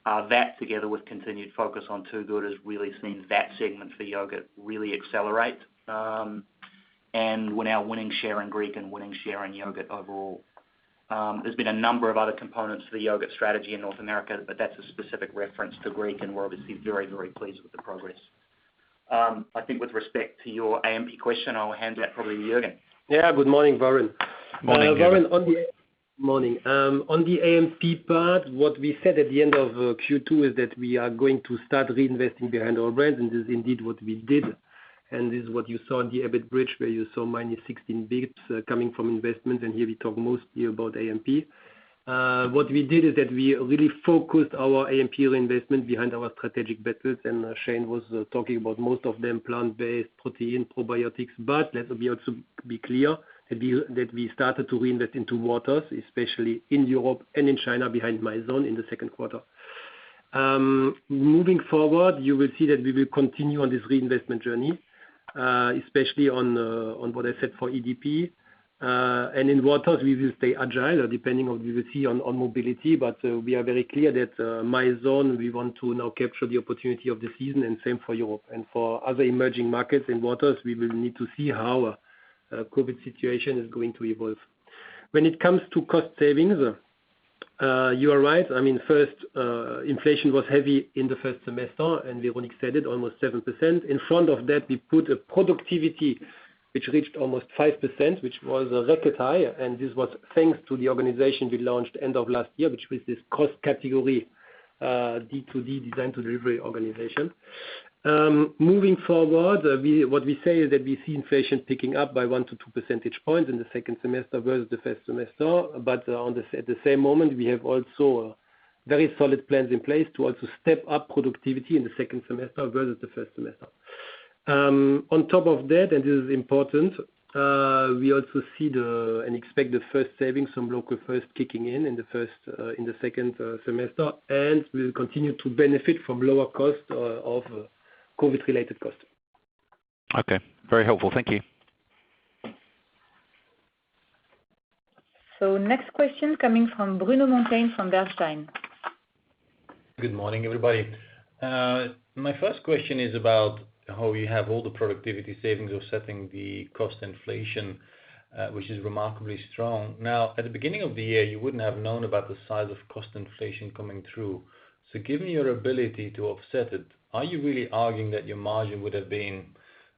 That together with continued focus on Two Good has really seen that segment for yogurt really accelerate. We're now winning share in Greek and winning share in yogurt overall. There's been a number of other components to the yogurt strategy in North America, but that's a specific reference to Greek and we're obviously very, very pleased with the progress. I think with respect to your A&P question, I'll hand it probably to Juergen. Yeah, good morning, Warren. Morning, Juergen. Morning. On the A&P part, what we said at the end of Q2 is that we are going to start reinvesting behind our brands, and this is indeed what we did, and this is what you saw in the EBIT bridge, where you saw minus 16 basis points coming from investments, and here we talk mostly about A&P. What we did is that we really focused our A&P reinvestment behind our strategic bets, and Shane was talking about most of them, plant-based protein, probiotics. Let me also be clear that we started to reinvest into waters, especially in Europe and in China, behind Mizone in the second quarter. Moving forward, you will see that we will continue on this reinvestment journey, especially on what I said for EDP. In waters, we will stay agile or depending on, we will see on mobility, but we are very clear that Mizone, we want to now capture the opportunity of the season and same for Europe. For other emerging markets in waters, we will need to see how COVID situation is going to evolve. When it comes to cost savings, you are right. First, inflation was heavy in the first semester, Véronique said it, almost 7%. In front of that, we put a productivity which reached almost 5%, which was a record high, and this was thanks to the organization we launched end of last year, which was this cost category, D2D, Design to Delivery organization. Moving forward, what we say is that we see inflation picking up by one to two percentage points in the second semester versus the first semester. At the same moment, we have also very solid plans in place to also step up productivity in the second semester versus the first semester. On top of that, and this is important, we also expect the first savings from Local First kicking in in the second semester, and we'll continue to benefit from lower cost of COVID-related costs. Okay. Very helpful. Thank you. Next question coming from Bruno Monteyne from Bernstein. Good morning, everybody. My first question is about how you have all the productivity savings offsetting the cost inflation, which is remarkably strong. At the beginning of the year, you wouldn't have known about the size of cost inflation coming through. Given your ability to offset it, are you really arguing that your margin would have been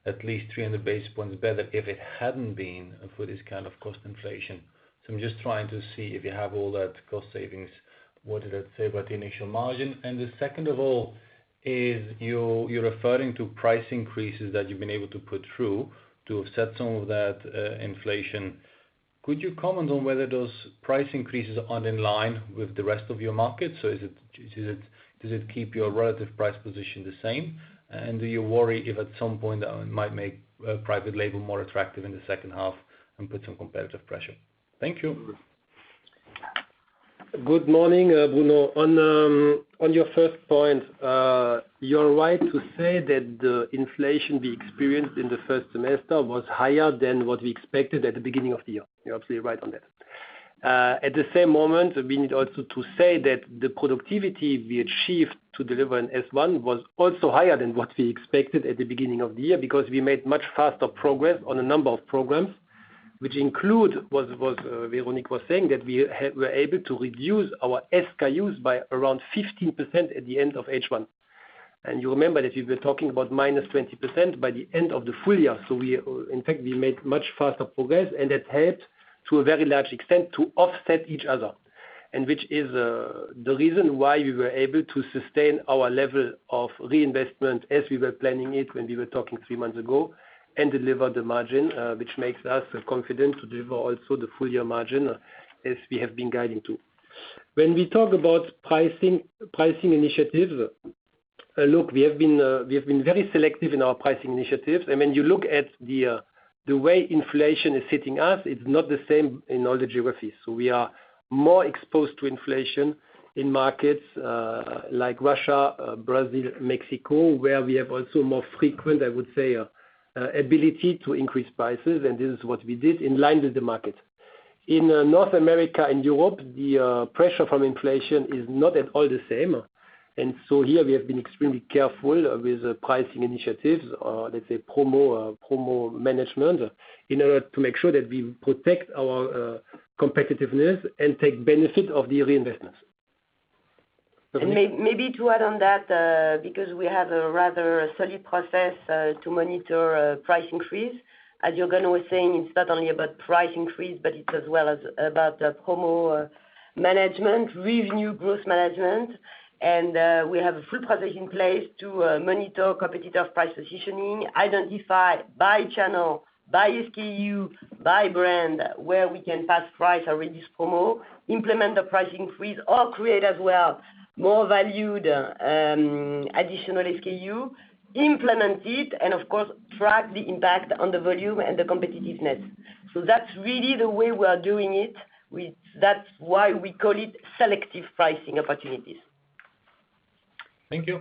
at least 300 basis points better if it hadn't been for this kind of cost inflation? I'm just trying to see if you have all that cost savings. What did that say about the initial margin? The second of all is you're referring to price increases that you've been able to put through to offset some of that inflation. Could you comment on whether those price increases are in line with the rest of your market? Does it keep your relative price position the same? Do you worry if at some point that might make private label more attractive in the second half and put some competitive pressure? Thank you. Good morning, Bruno. On your first point, you're right to say that the inflation we experienced in the first semester was higher than what we expected at the beginning of the year. You're absolutely right on that. At the same moment, we need also to say that the productivity we achieved to deliver in S1 was also higher than what we expected at the beginning of the year because we made much faster progress on a number of programs, which include, Véronique was saying, that we were able to reduce our SKUs by around 15% at the end of H1. You remember that we were talking about minus 20% by the end of the full year. In fact, we made much faster progress, and that helped to a very large extent to offset each other, and which is the reason why we were able to sustain our level of reinvestment as we were planning it when we were talking three months ago and deliver the margin, which makes us confident to deliver also the full year margin as we have been guiding to. When we talk about pricing initiatives, look, we have been very selective in our pricing initiatives. When you look at the way inflation is hitting us, it's not the same in all the geographies. We are more exposed to inflation in markets like Russia, Brazil, Mexico, where we have also more frequent, I would say, ability to increase prices, and this is what we did in line with the market. In North America and Europe, the pressure from inflation is not at all the same. Here we have been extremely careful with pricing initiatives, let's say promo management, in order to make sure that we protect our competitiveness and take benefit of the reinvestments. Maybe to add on that, because we have a rather solid process to monitor price increase, as Juergen was saying, it's not only about price increase, but it's as well as about promo management, revenue growth management. We have a full process in place to monitor competitive price positioning, identify by channel, by SKU, by brand, where we can pass price or reduce promo, implement the price increase, or create as well more valued additional SKU, implement it, and of course track the impact on the volume and the competitiveness. That's really the way we are doing it. That's why we call it selective pricing opportunities. Thank you.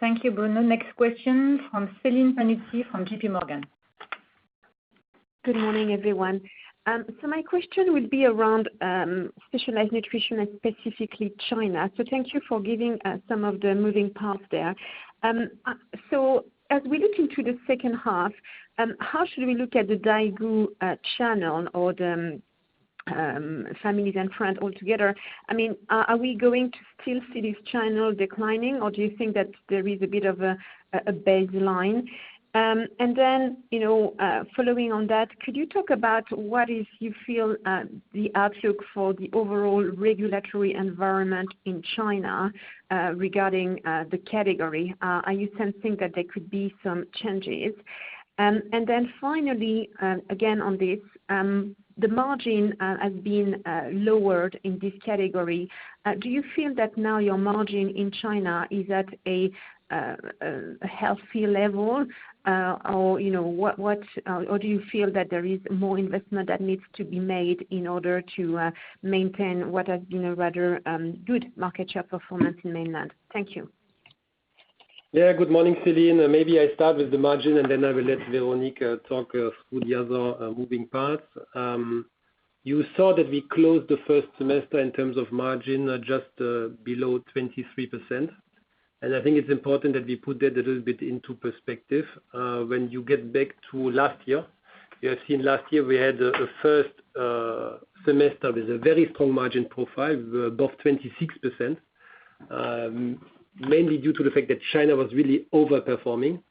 Thank you, Bruno. Next question from Celine Pannuti from JPMorgan. Good morning, everyone. My question would be around specialized nutrition and specifically China. Thank you for giving some of the moving parts there. As we look into the second half, how should we look at the Daigou channel or the families and friends altogether? Are we going to still see this channel declining, or do you think that there is a bit of a baseline? Following on that, could you talk about what is you feel the outlook for the overall regulatory environment in China regarding the category? Are you sensing that there could be some changes? Finally, again on this, the margin has been lowered in this category. Do you feel that now your margin in China is at a healthy level? Do you feel that there is more investment that needs to be made in order to maintain what has been a rather good market share performance in mainland? Thank you. Good morning, Celine. Maybe I start with the margin, and then I will let Véronique talk through the other moving parts. You saw that we closed the first semester in terms of margin just below 23%. I think it's important that we put that a little bit into perspective. When you get back to last year, you have seen we had a first semester with a very strong margin profile, above 23%, mainly due to the fact that China was really over-performing.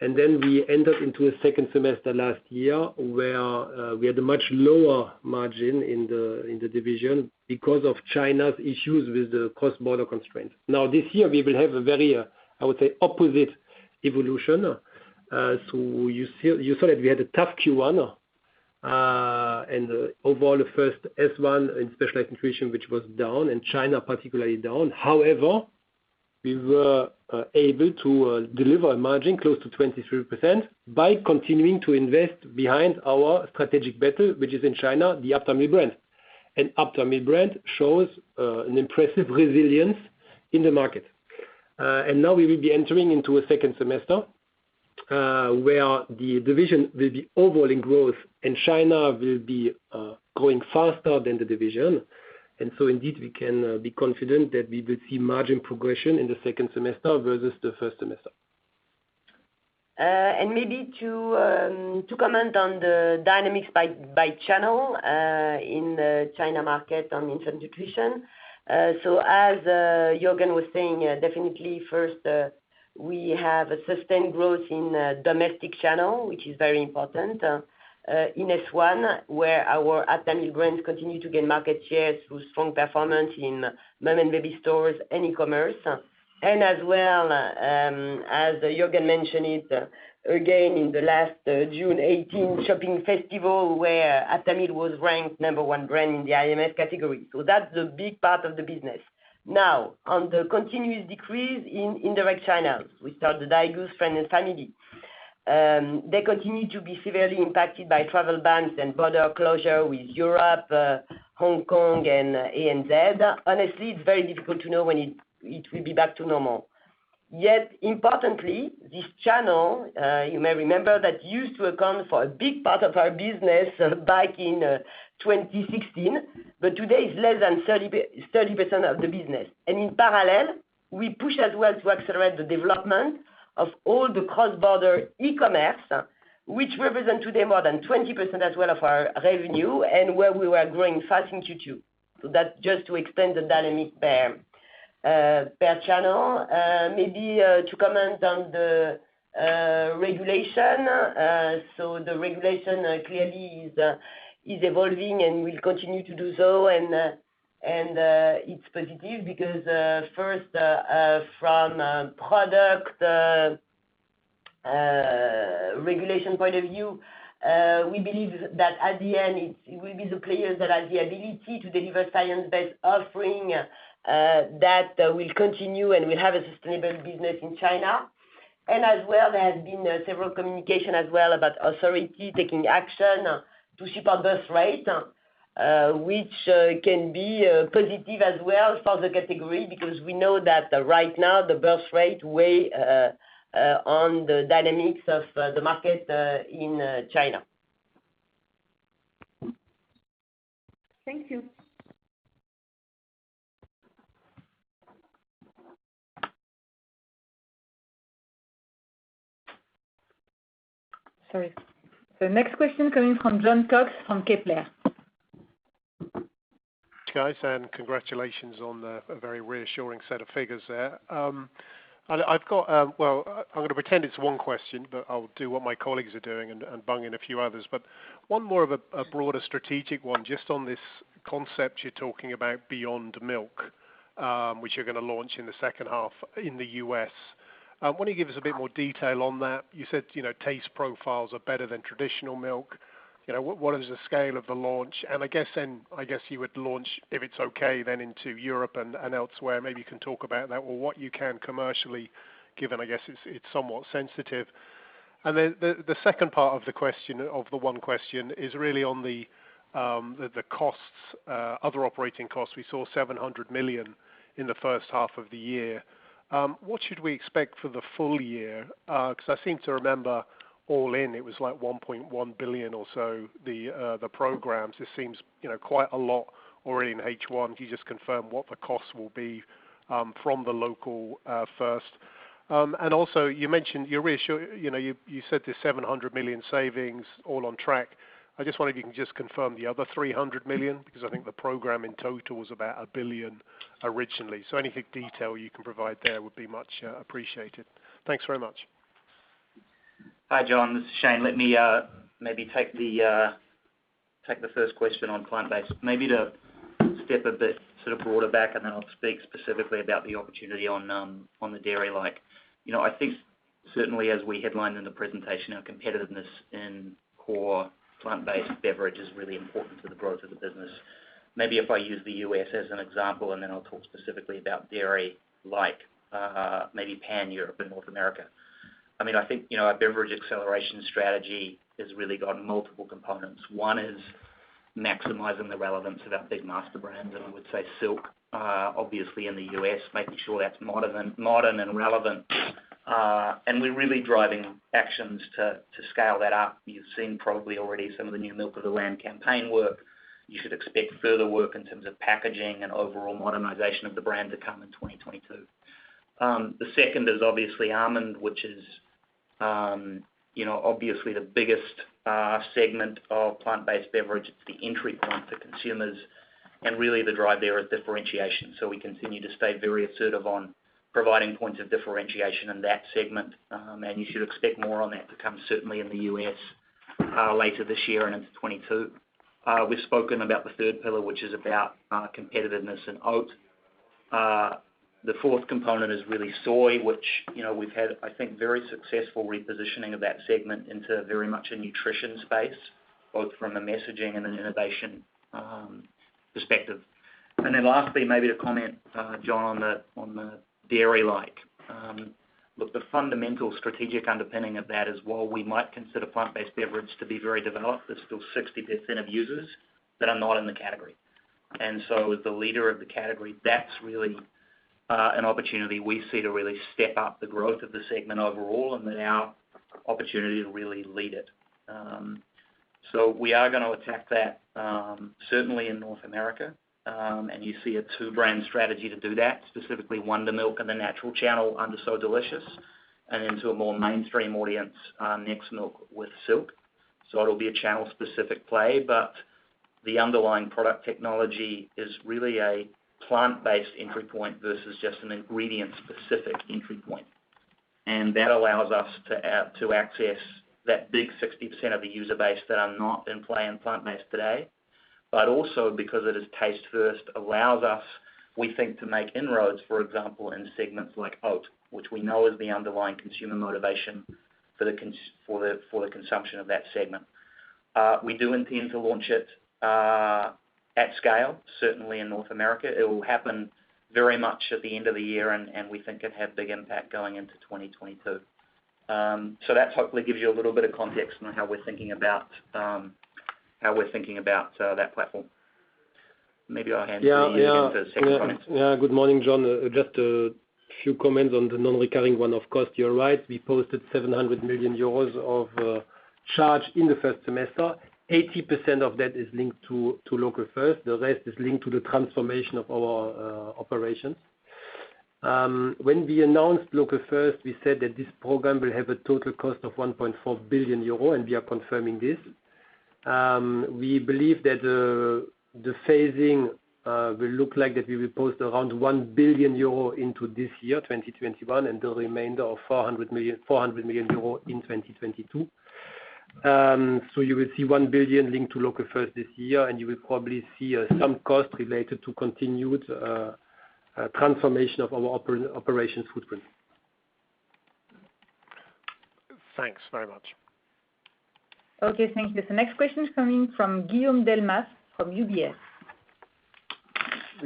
We ended into a second semester last year, where we had a much lower margin in the division because of China's issues with the cross-border constraints. This year, we will have a very, I would say, opposite evolution. You saw that we had a tough Q1 and overall first S1 in specialized nutrition, which was down, and China particularly down. However, we were able to deliver a margin close to 23% by continuing to invest behind our strategic battle, which is in China, the Aptamil brand. Aptamil brand shows an impressive resilience in the market. Now we will be entering into a second semester, where the division will be overall in growth and China will be growing faster than the division. Indeed, we can be confident that we will see margin progression in the second semester versus the first semester. Maybe to comment on the dynamics by channel in the China market on infant nutrition. As Juergen was saying, definitely first, we have a sustained growth in domestic channel, which is very important in S1, where our Aptamil brand continue to gain market shares through strong performance in mom and baby stores and e-commerce. As well, as Juergen mentioned it again in the last June 18 shopping festival, where Aptamil was ranked number one brand in the IMF category. That's the big part of the business. On the continuous decrease in indirect China, we saw the Daigou's friend and family. They continue to be severely impacted by travel bans and border closure with Europe, Hong Kong, and ANZ. Honestly, it's very difficult to know when it will be back to normal. Importantly, this channel, you may remember that used to account for a big part of our business back in 2016, but today it's less than 30% of the business. In parallel, we push as well to accelerate the development of all the cross-border e-commerce, which represent today more than 20% as well of our revenue and where we are growing fast in Q2. That's just to explain the dynamic there per channel. Maybe to comment on the regulation. The regulation clearly is evolving and will continue to do so, and it's positive because first, from product regulation point of view, we believe that at the end, it will be the players that have the ability to deliver science-based offering that will continue and will have a sustainable business in China. As well, there has been several communication as well about authority taking action to shift on birth rate. Which can be positive as well for the category, because we know that right now, the birth rate weigh on the dynamics of the market in China. Thank you. Sorry. The next question coming from Jon Cox from Kepler. Congratulations on the very reassuring set of figures there. I've got, well, I'm going to pretend it's one question, but I'll do what my colleagues are doing and bung in a few others. One more of a broader strategic one, just on this concept you're talking about beyond milk, which you're going to launch in the second half in the U.S. I want to give us a bit more detail on that. You said taste profiles are better than traditional milk. What is the scale of the launch? I guess you would launch, if it's okay, then into Europe and elsewhere. Maybe you can talk about that or what you can commercially given, I guess, it's somewhat sensitive. Then the second part of the one question is really on the other operating costs. We saw 700 million in the first half of the year. What should we expect for the full year? I seem to remember all in, it was like 1.1 billion or so, the programs. It seems quite a lot already in H1. Can you just confirm what the costs will be from the Local First? Also you mentioned you said there's 700 million savings all on track. I just wonder if you can just confirm the other 300 million, because I think the program in total was about 1 billion originally. Anything detail you can provide there would be much appreciated. Thanks very much. Hi, Jon, this is Shane. Let me maybe take the first question on plant-based. Maybe to step a bit broader back, and then I'll speak specifically about the opportunity on the dairy-like. I think certainly as we headlined in the presentation, our competitiveness in core plant-based beverage is really important for the growth of the business. Maybe if I use the U.S. as an example, and then I'll talk specifically about dairy-like, maybe pan-Europe and North America. I think our beverage acceleration strategy has really got multiple components. One is maximizing the relevance of our big master brands, and I would say Silk, obviously in the U.S., making sure that's modern and relevant. We're really driving actions to scale that up. You've seen probably already some of the new Milk of the Land campaign work. You should expect further work in terms of packaging and overall modernization of the brand to come in 2022. The second is obviously Almond, which is obviously the biggest segment of plant-based beverage. It's the entry point for consumers and really the drive there is differentiation. We continue to stay very assertive on providing points of differentiation in that segment. You should expect more on that to come, certainly in the U.S., later this year and into 2022. We've spoken about the third pillar, which is about competitiveness in Oat. The fourth component is really Soy, which we've had, I think, very successful repositioning of that segment into very much a nutrition space, both from a messaging and an innovation perspective. Lastly, maybe to comment, Jon, on the dairy-like. Look, the fundamental strategic underpinning of that is while we might consider plant-based beverage to be very developed, there's still 60% of users that are not in the category. As the leader of the category, that's really an opportunity we see to really step up the growth of the segment overall and our opportunity to really lead it. We are going to attack that, certainly in North America. You see a 2-brand strategy to do that, specifically Wondermilk in the natural channel under So Delicious and into a more mainstream audience, Nextmilk with Silk. It'll be a channel-specific play, but the underlying product technology is really a plant-based entry point versus just an ingredient-specific entry point. That allows us to access that big 60% of the user base that are not in play in plant-based today, but also because it is taste first, allows us, we think, to make inroads, for example, in segments like Oat, which we know is the underlying consumer motivation for the consumption of that segment. We do intend to launch it at scale, certainly in North America. It will happen very much at the end of the year, and we think it'll have big impact going into 2022. That hopefully gives you a little bit of context on how we're thinking about that platform. Maybe I'll hand to Juergen Esser for the second component. Good morning, Jon. Just a few comments on the non-recurring one. Of course, you're right. We posted 700 million euros of charge in the first semester. 80% of that is linked to Local First. The rest is linked to the transformation of our operations. When we announced Local First, we said that this program will have a total cost of 1.4 billion euro, and we are confirming this. We believe that the phasing will look like that we will post around 1 billion euro into this year, 2021, and the remainder of 400 million in 2022. You will see 1 billion linked to Local First this year, and you will probably see some cost related to continued transformation of our operations footprint. Thanks very much. Okay, thank you. The next question is coming from Guillaume Delmas from UBS.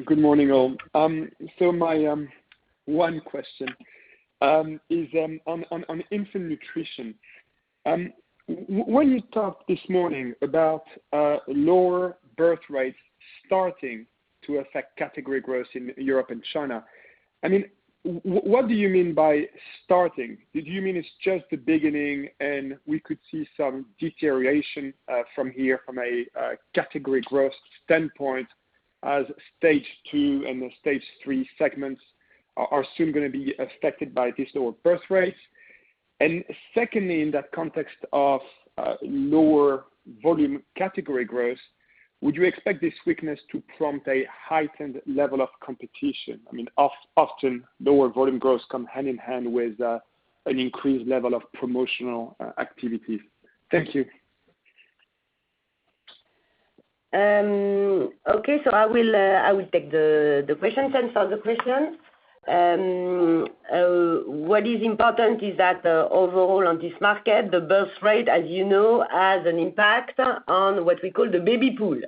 Good morning, all. My one question is on infant nutrition. When you talked this morning about lower birth rates starting to affect category growth in Europe and China, what do you mean by starting? Did you mean it's just the beginning and we could see some deterioration from here from a category growth standpoint as stage 2 and the stage 3 segments are soon going to be affected by these lower birth rates? Secondly, in that context of lower volume category growth, would you expect this weakness to prompt a heightened level of competition? Often lower volume growths come hand-in-hand with an increased level of promotional activities. Thank you. Okay. I will take the question and answer the question. What is important is that overall on this market, the birth rate, as you know, has an impact on what we call the baby pool,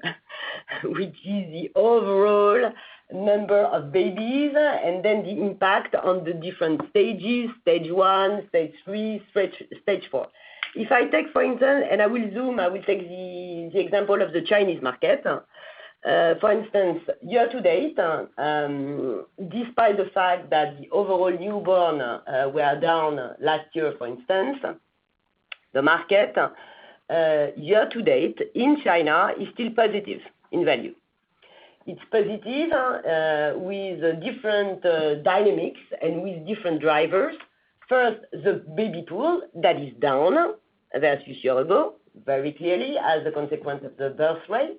which is the overall number of babies, and then the impact on the different stages, stage 1, stage 3, stage 4. If I take, for instance, and I will zoom, I will take the example of the Chinese market. For instance, year-to-date, despite the fact that the overall newborn were down last year, for instance, the market year-to-date in China is still positive in value. It is positive with different dynamics and with different drivers. First, the baby pool, that is down, that is doable very clearly as a consequence of the birth rate.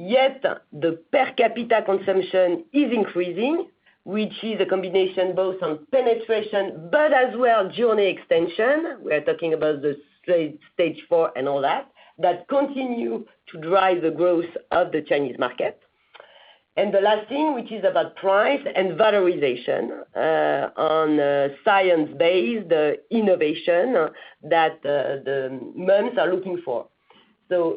Yet, the per capita consumption is increasing, which is a combination both on penetration but as well journey extension. We are talking about the stage 4 and all that continue to drive the growth of the Chinese market. The last thing, which is about price and valorization on science-based innovation that the moms are looking for.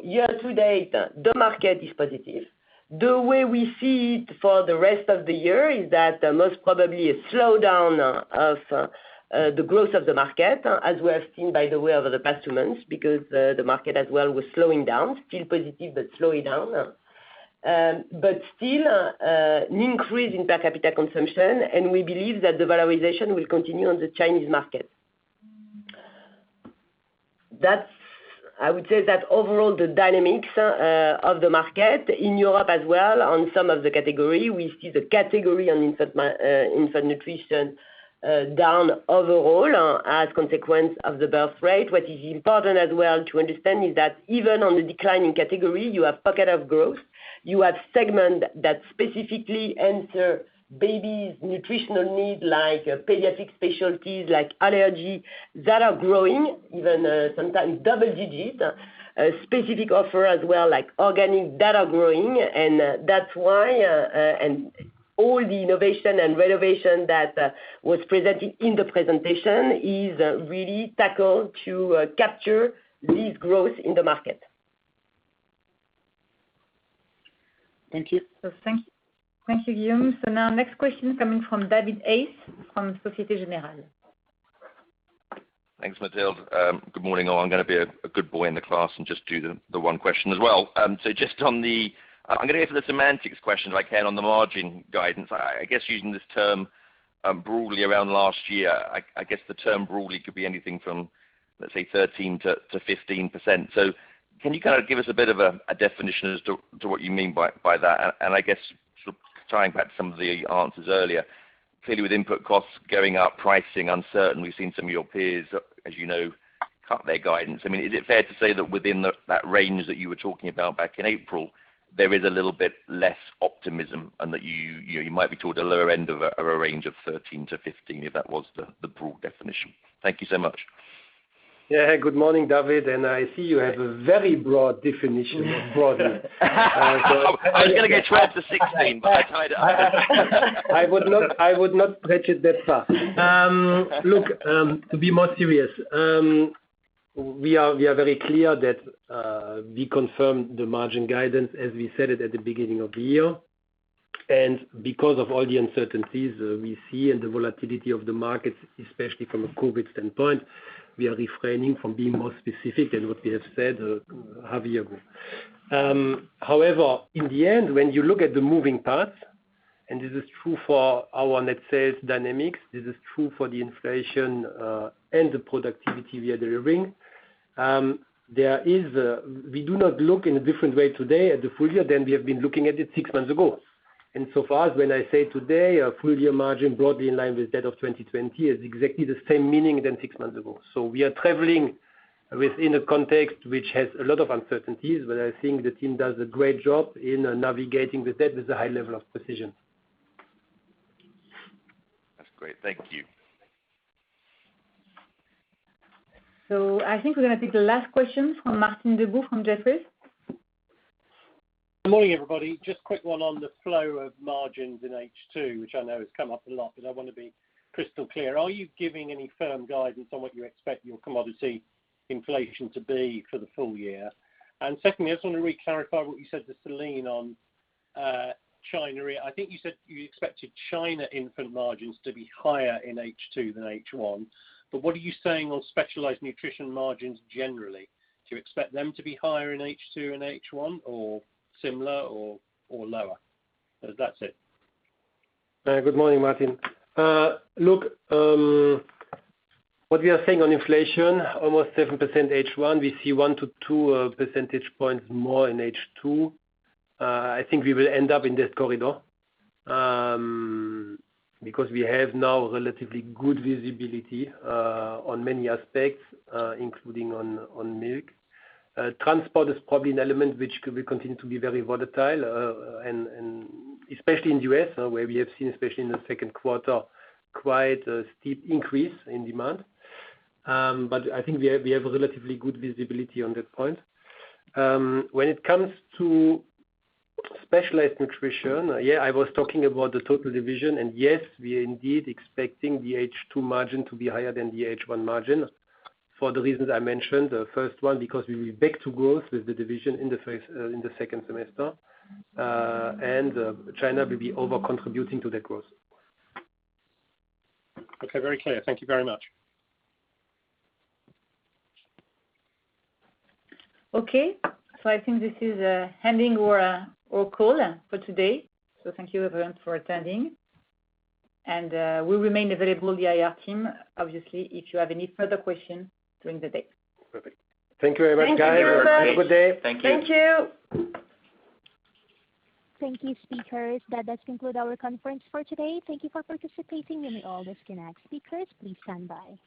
Year-to-date, the market is positive. The way we see it for the rest of the year is that most probably a slowdown of the growth of the market, as we have seen, by the way, over the past months because the market as well was slowing down, still positive, but slowing down. Still an increase in per capita consumption, and we believe that the valorization will continue on the Chinese market. I would say that overall the dynamics of the market in Europe as well, on some of the category, we see the category on infant nutrition down overall as consequence of the birth rate. What is important as well to understand is that even on the declining category, you have pocket of growth, you have segment that specifically enter baby's nutritional need, like pediatric specialties, like allergy, that are growing even sometimes double digits. A specific offer as well, like organic, that are growing. All the innovation and renovation that was presented in the presentation is really tackled to capture this growth in the market. Thank you. Thank you, Guillaume. Now next question coming from David Hayes from Societe Generale. Thanks, Mathilde. Good morning, all. I'm going to be a good boy in the class and just do the one question as well. I'm going to go for the semantics question if I can on the margin guidance. I guess using this term broadly around last year, I guess the term broadly could be anything from, let's say 13%-15%. Can you give us a bit of a definition as to what you mean by that? I guess tying back some of the answers earlier. Clearly, with input costs going up, pricing uncertain, we've seen some of your peers, as you know, cut their guidance. Is it fair to say that within that range that you were talking about back in April, there is a little bit less optimism and that you might be toward the lower end of a range of 13%-15%, if that was the broad definition? Thank you so much. Yeah. Good morning, David. I see you have a very broad definition of broadly. I was going to go 12 to 16, but I tried. I would not stretch it that far. Look, to be more serious, we are very clear that we confirm the margin guidance as we said it at the beginning of the year. Because of all the uncertainties we see and the volatility of the market, especially from a COVID standpoint, we are refraining from being more specific than what we have said earlier. However, in the end, when you look at the moving parts, and this is true for our net sales dynamics, this is true for the inflation, and the productivity we are delivering, we do not look in a different way today at the full year than we have been looking at it six months ago. So far, when I say today our full year margin broadly in line with that of 2020 is exactly the same meaning than six months ago. We are traveling within a context which has a lot of uncertainties, but I think the team does a great job in navigating that with a high level of precision. That's great. Thank you. I think we're going to take the last question from Martin Deboo from Jefferies. Good morning, everybody. Just quick one on the flow of margins in H2, which I know has come up a lot, but I want to be crystal clear. Are you giving any firm guidance on what you expect your commodity inflation to be for the full year? Secondly, I just want to re-clarify what you said to Celine on China. I think you said you expected China infant margins to be higher in H2 than H1, but what are you saying on specialized nutrition margins generally? Do you expect them to be higher in H2 than H1, or similar, or lower? That's it. Good morning, Martin. Look, what we are saying on inflation, almost 7% H1. We see one to two percentage points more in H2. I think we will end up in this corridor because we have now relatively good visibility on many aspects, including on milk. Transport is probably an element which could continue to be very volatile, and especially in the U.S., where we have seen, especially in the second quarter, quite a steep increase in demand. I think we have relatively good visibility on that point. When it comes to specialized nutrition, yeah, I was talking about the total division, and yes, we are indeed expecting the H2 margin to be higher than the H1 margin for the reasons I mentioned. The first one, because we will be back to growth with the division in the second semester, and China will be over-contributing to that growth. Okay, very clear. Thank you very much. Okay. I think this is ending our call for today. Thank you, everyone, for attending. We remain available, the IR team, obviously, if you have any further questions during the day. Perfect. Thank you very much, guys. Thank you, everyone. Have a good day. Thank you. Thank you. Thank you, speakers. That does conclude our conference for today. Thank you for participating. You may all disconnect. Speakers, please stand by.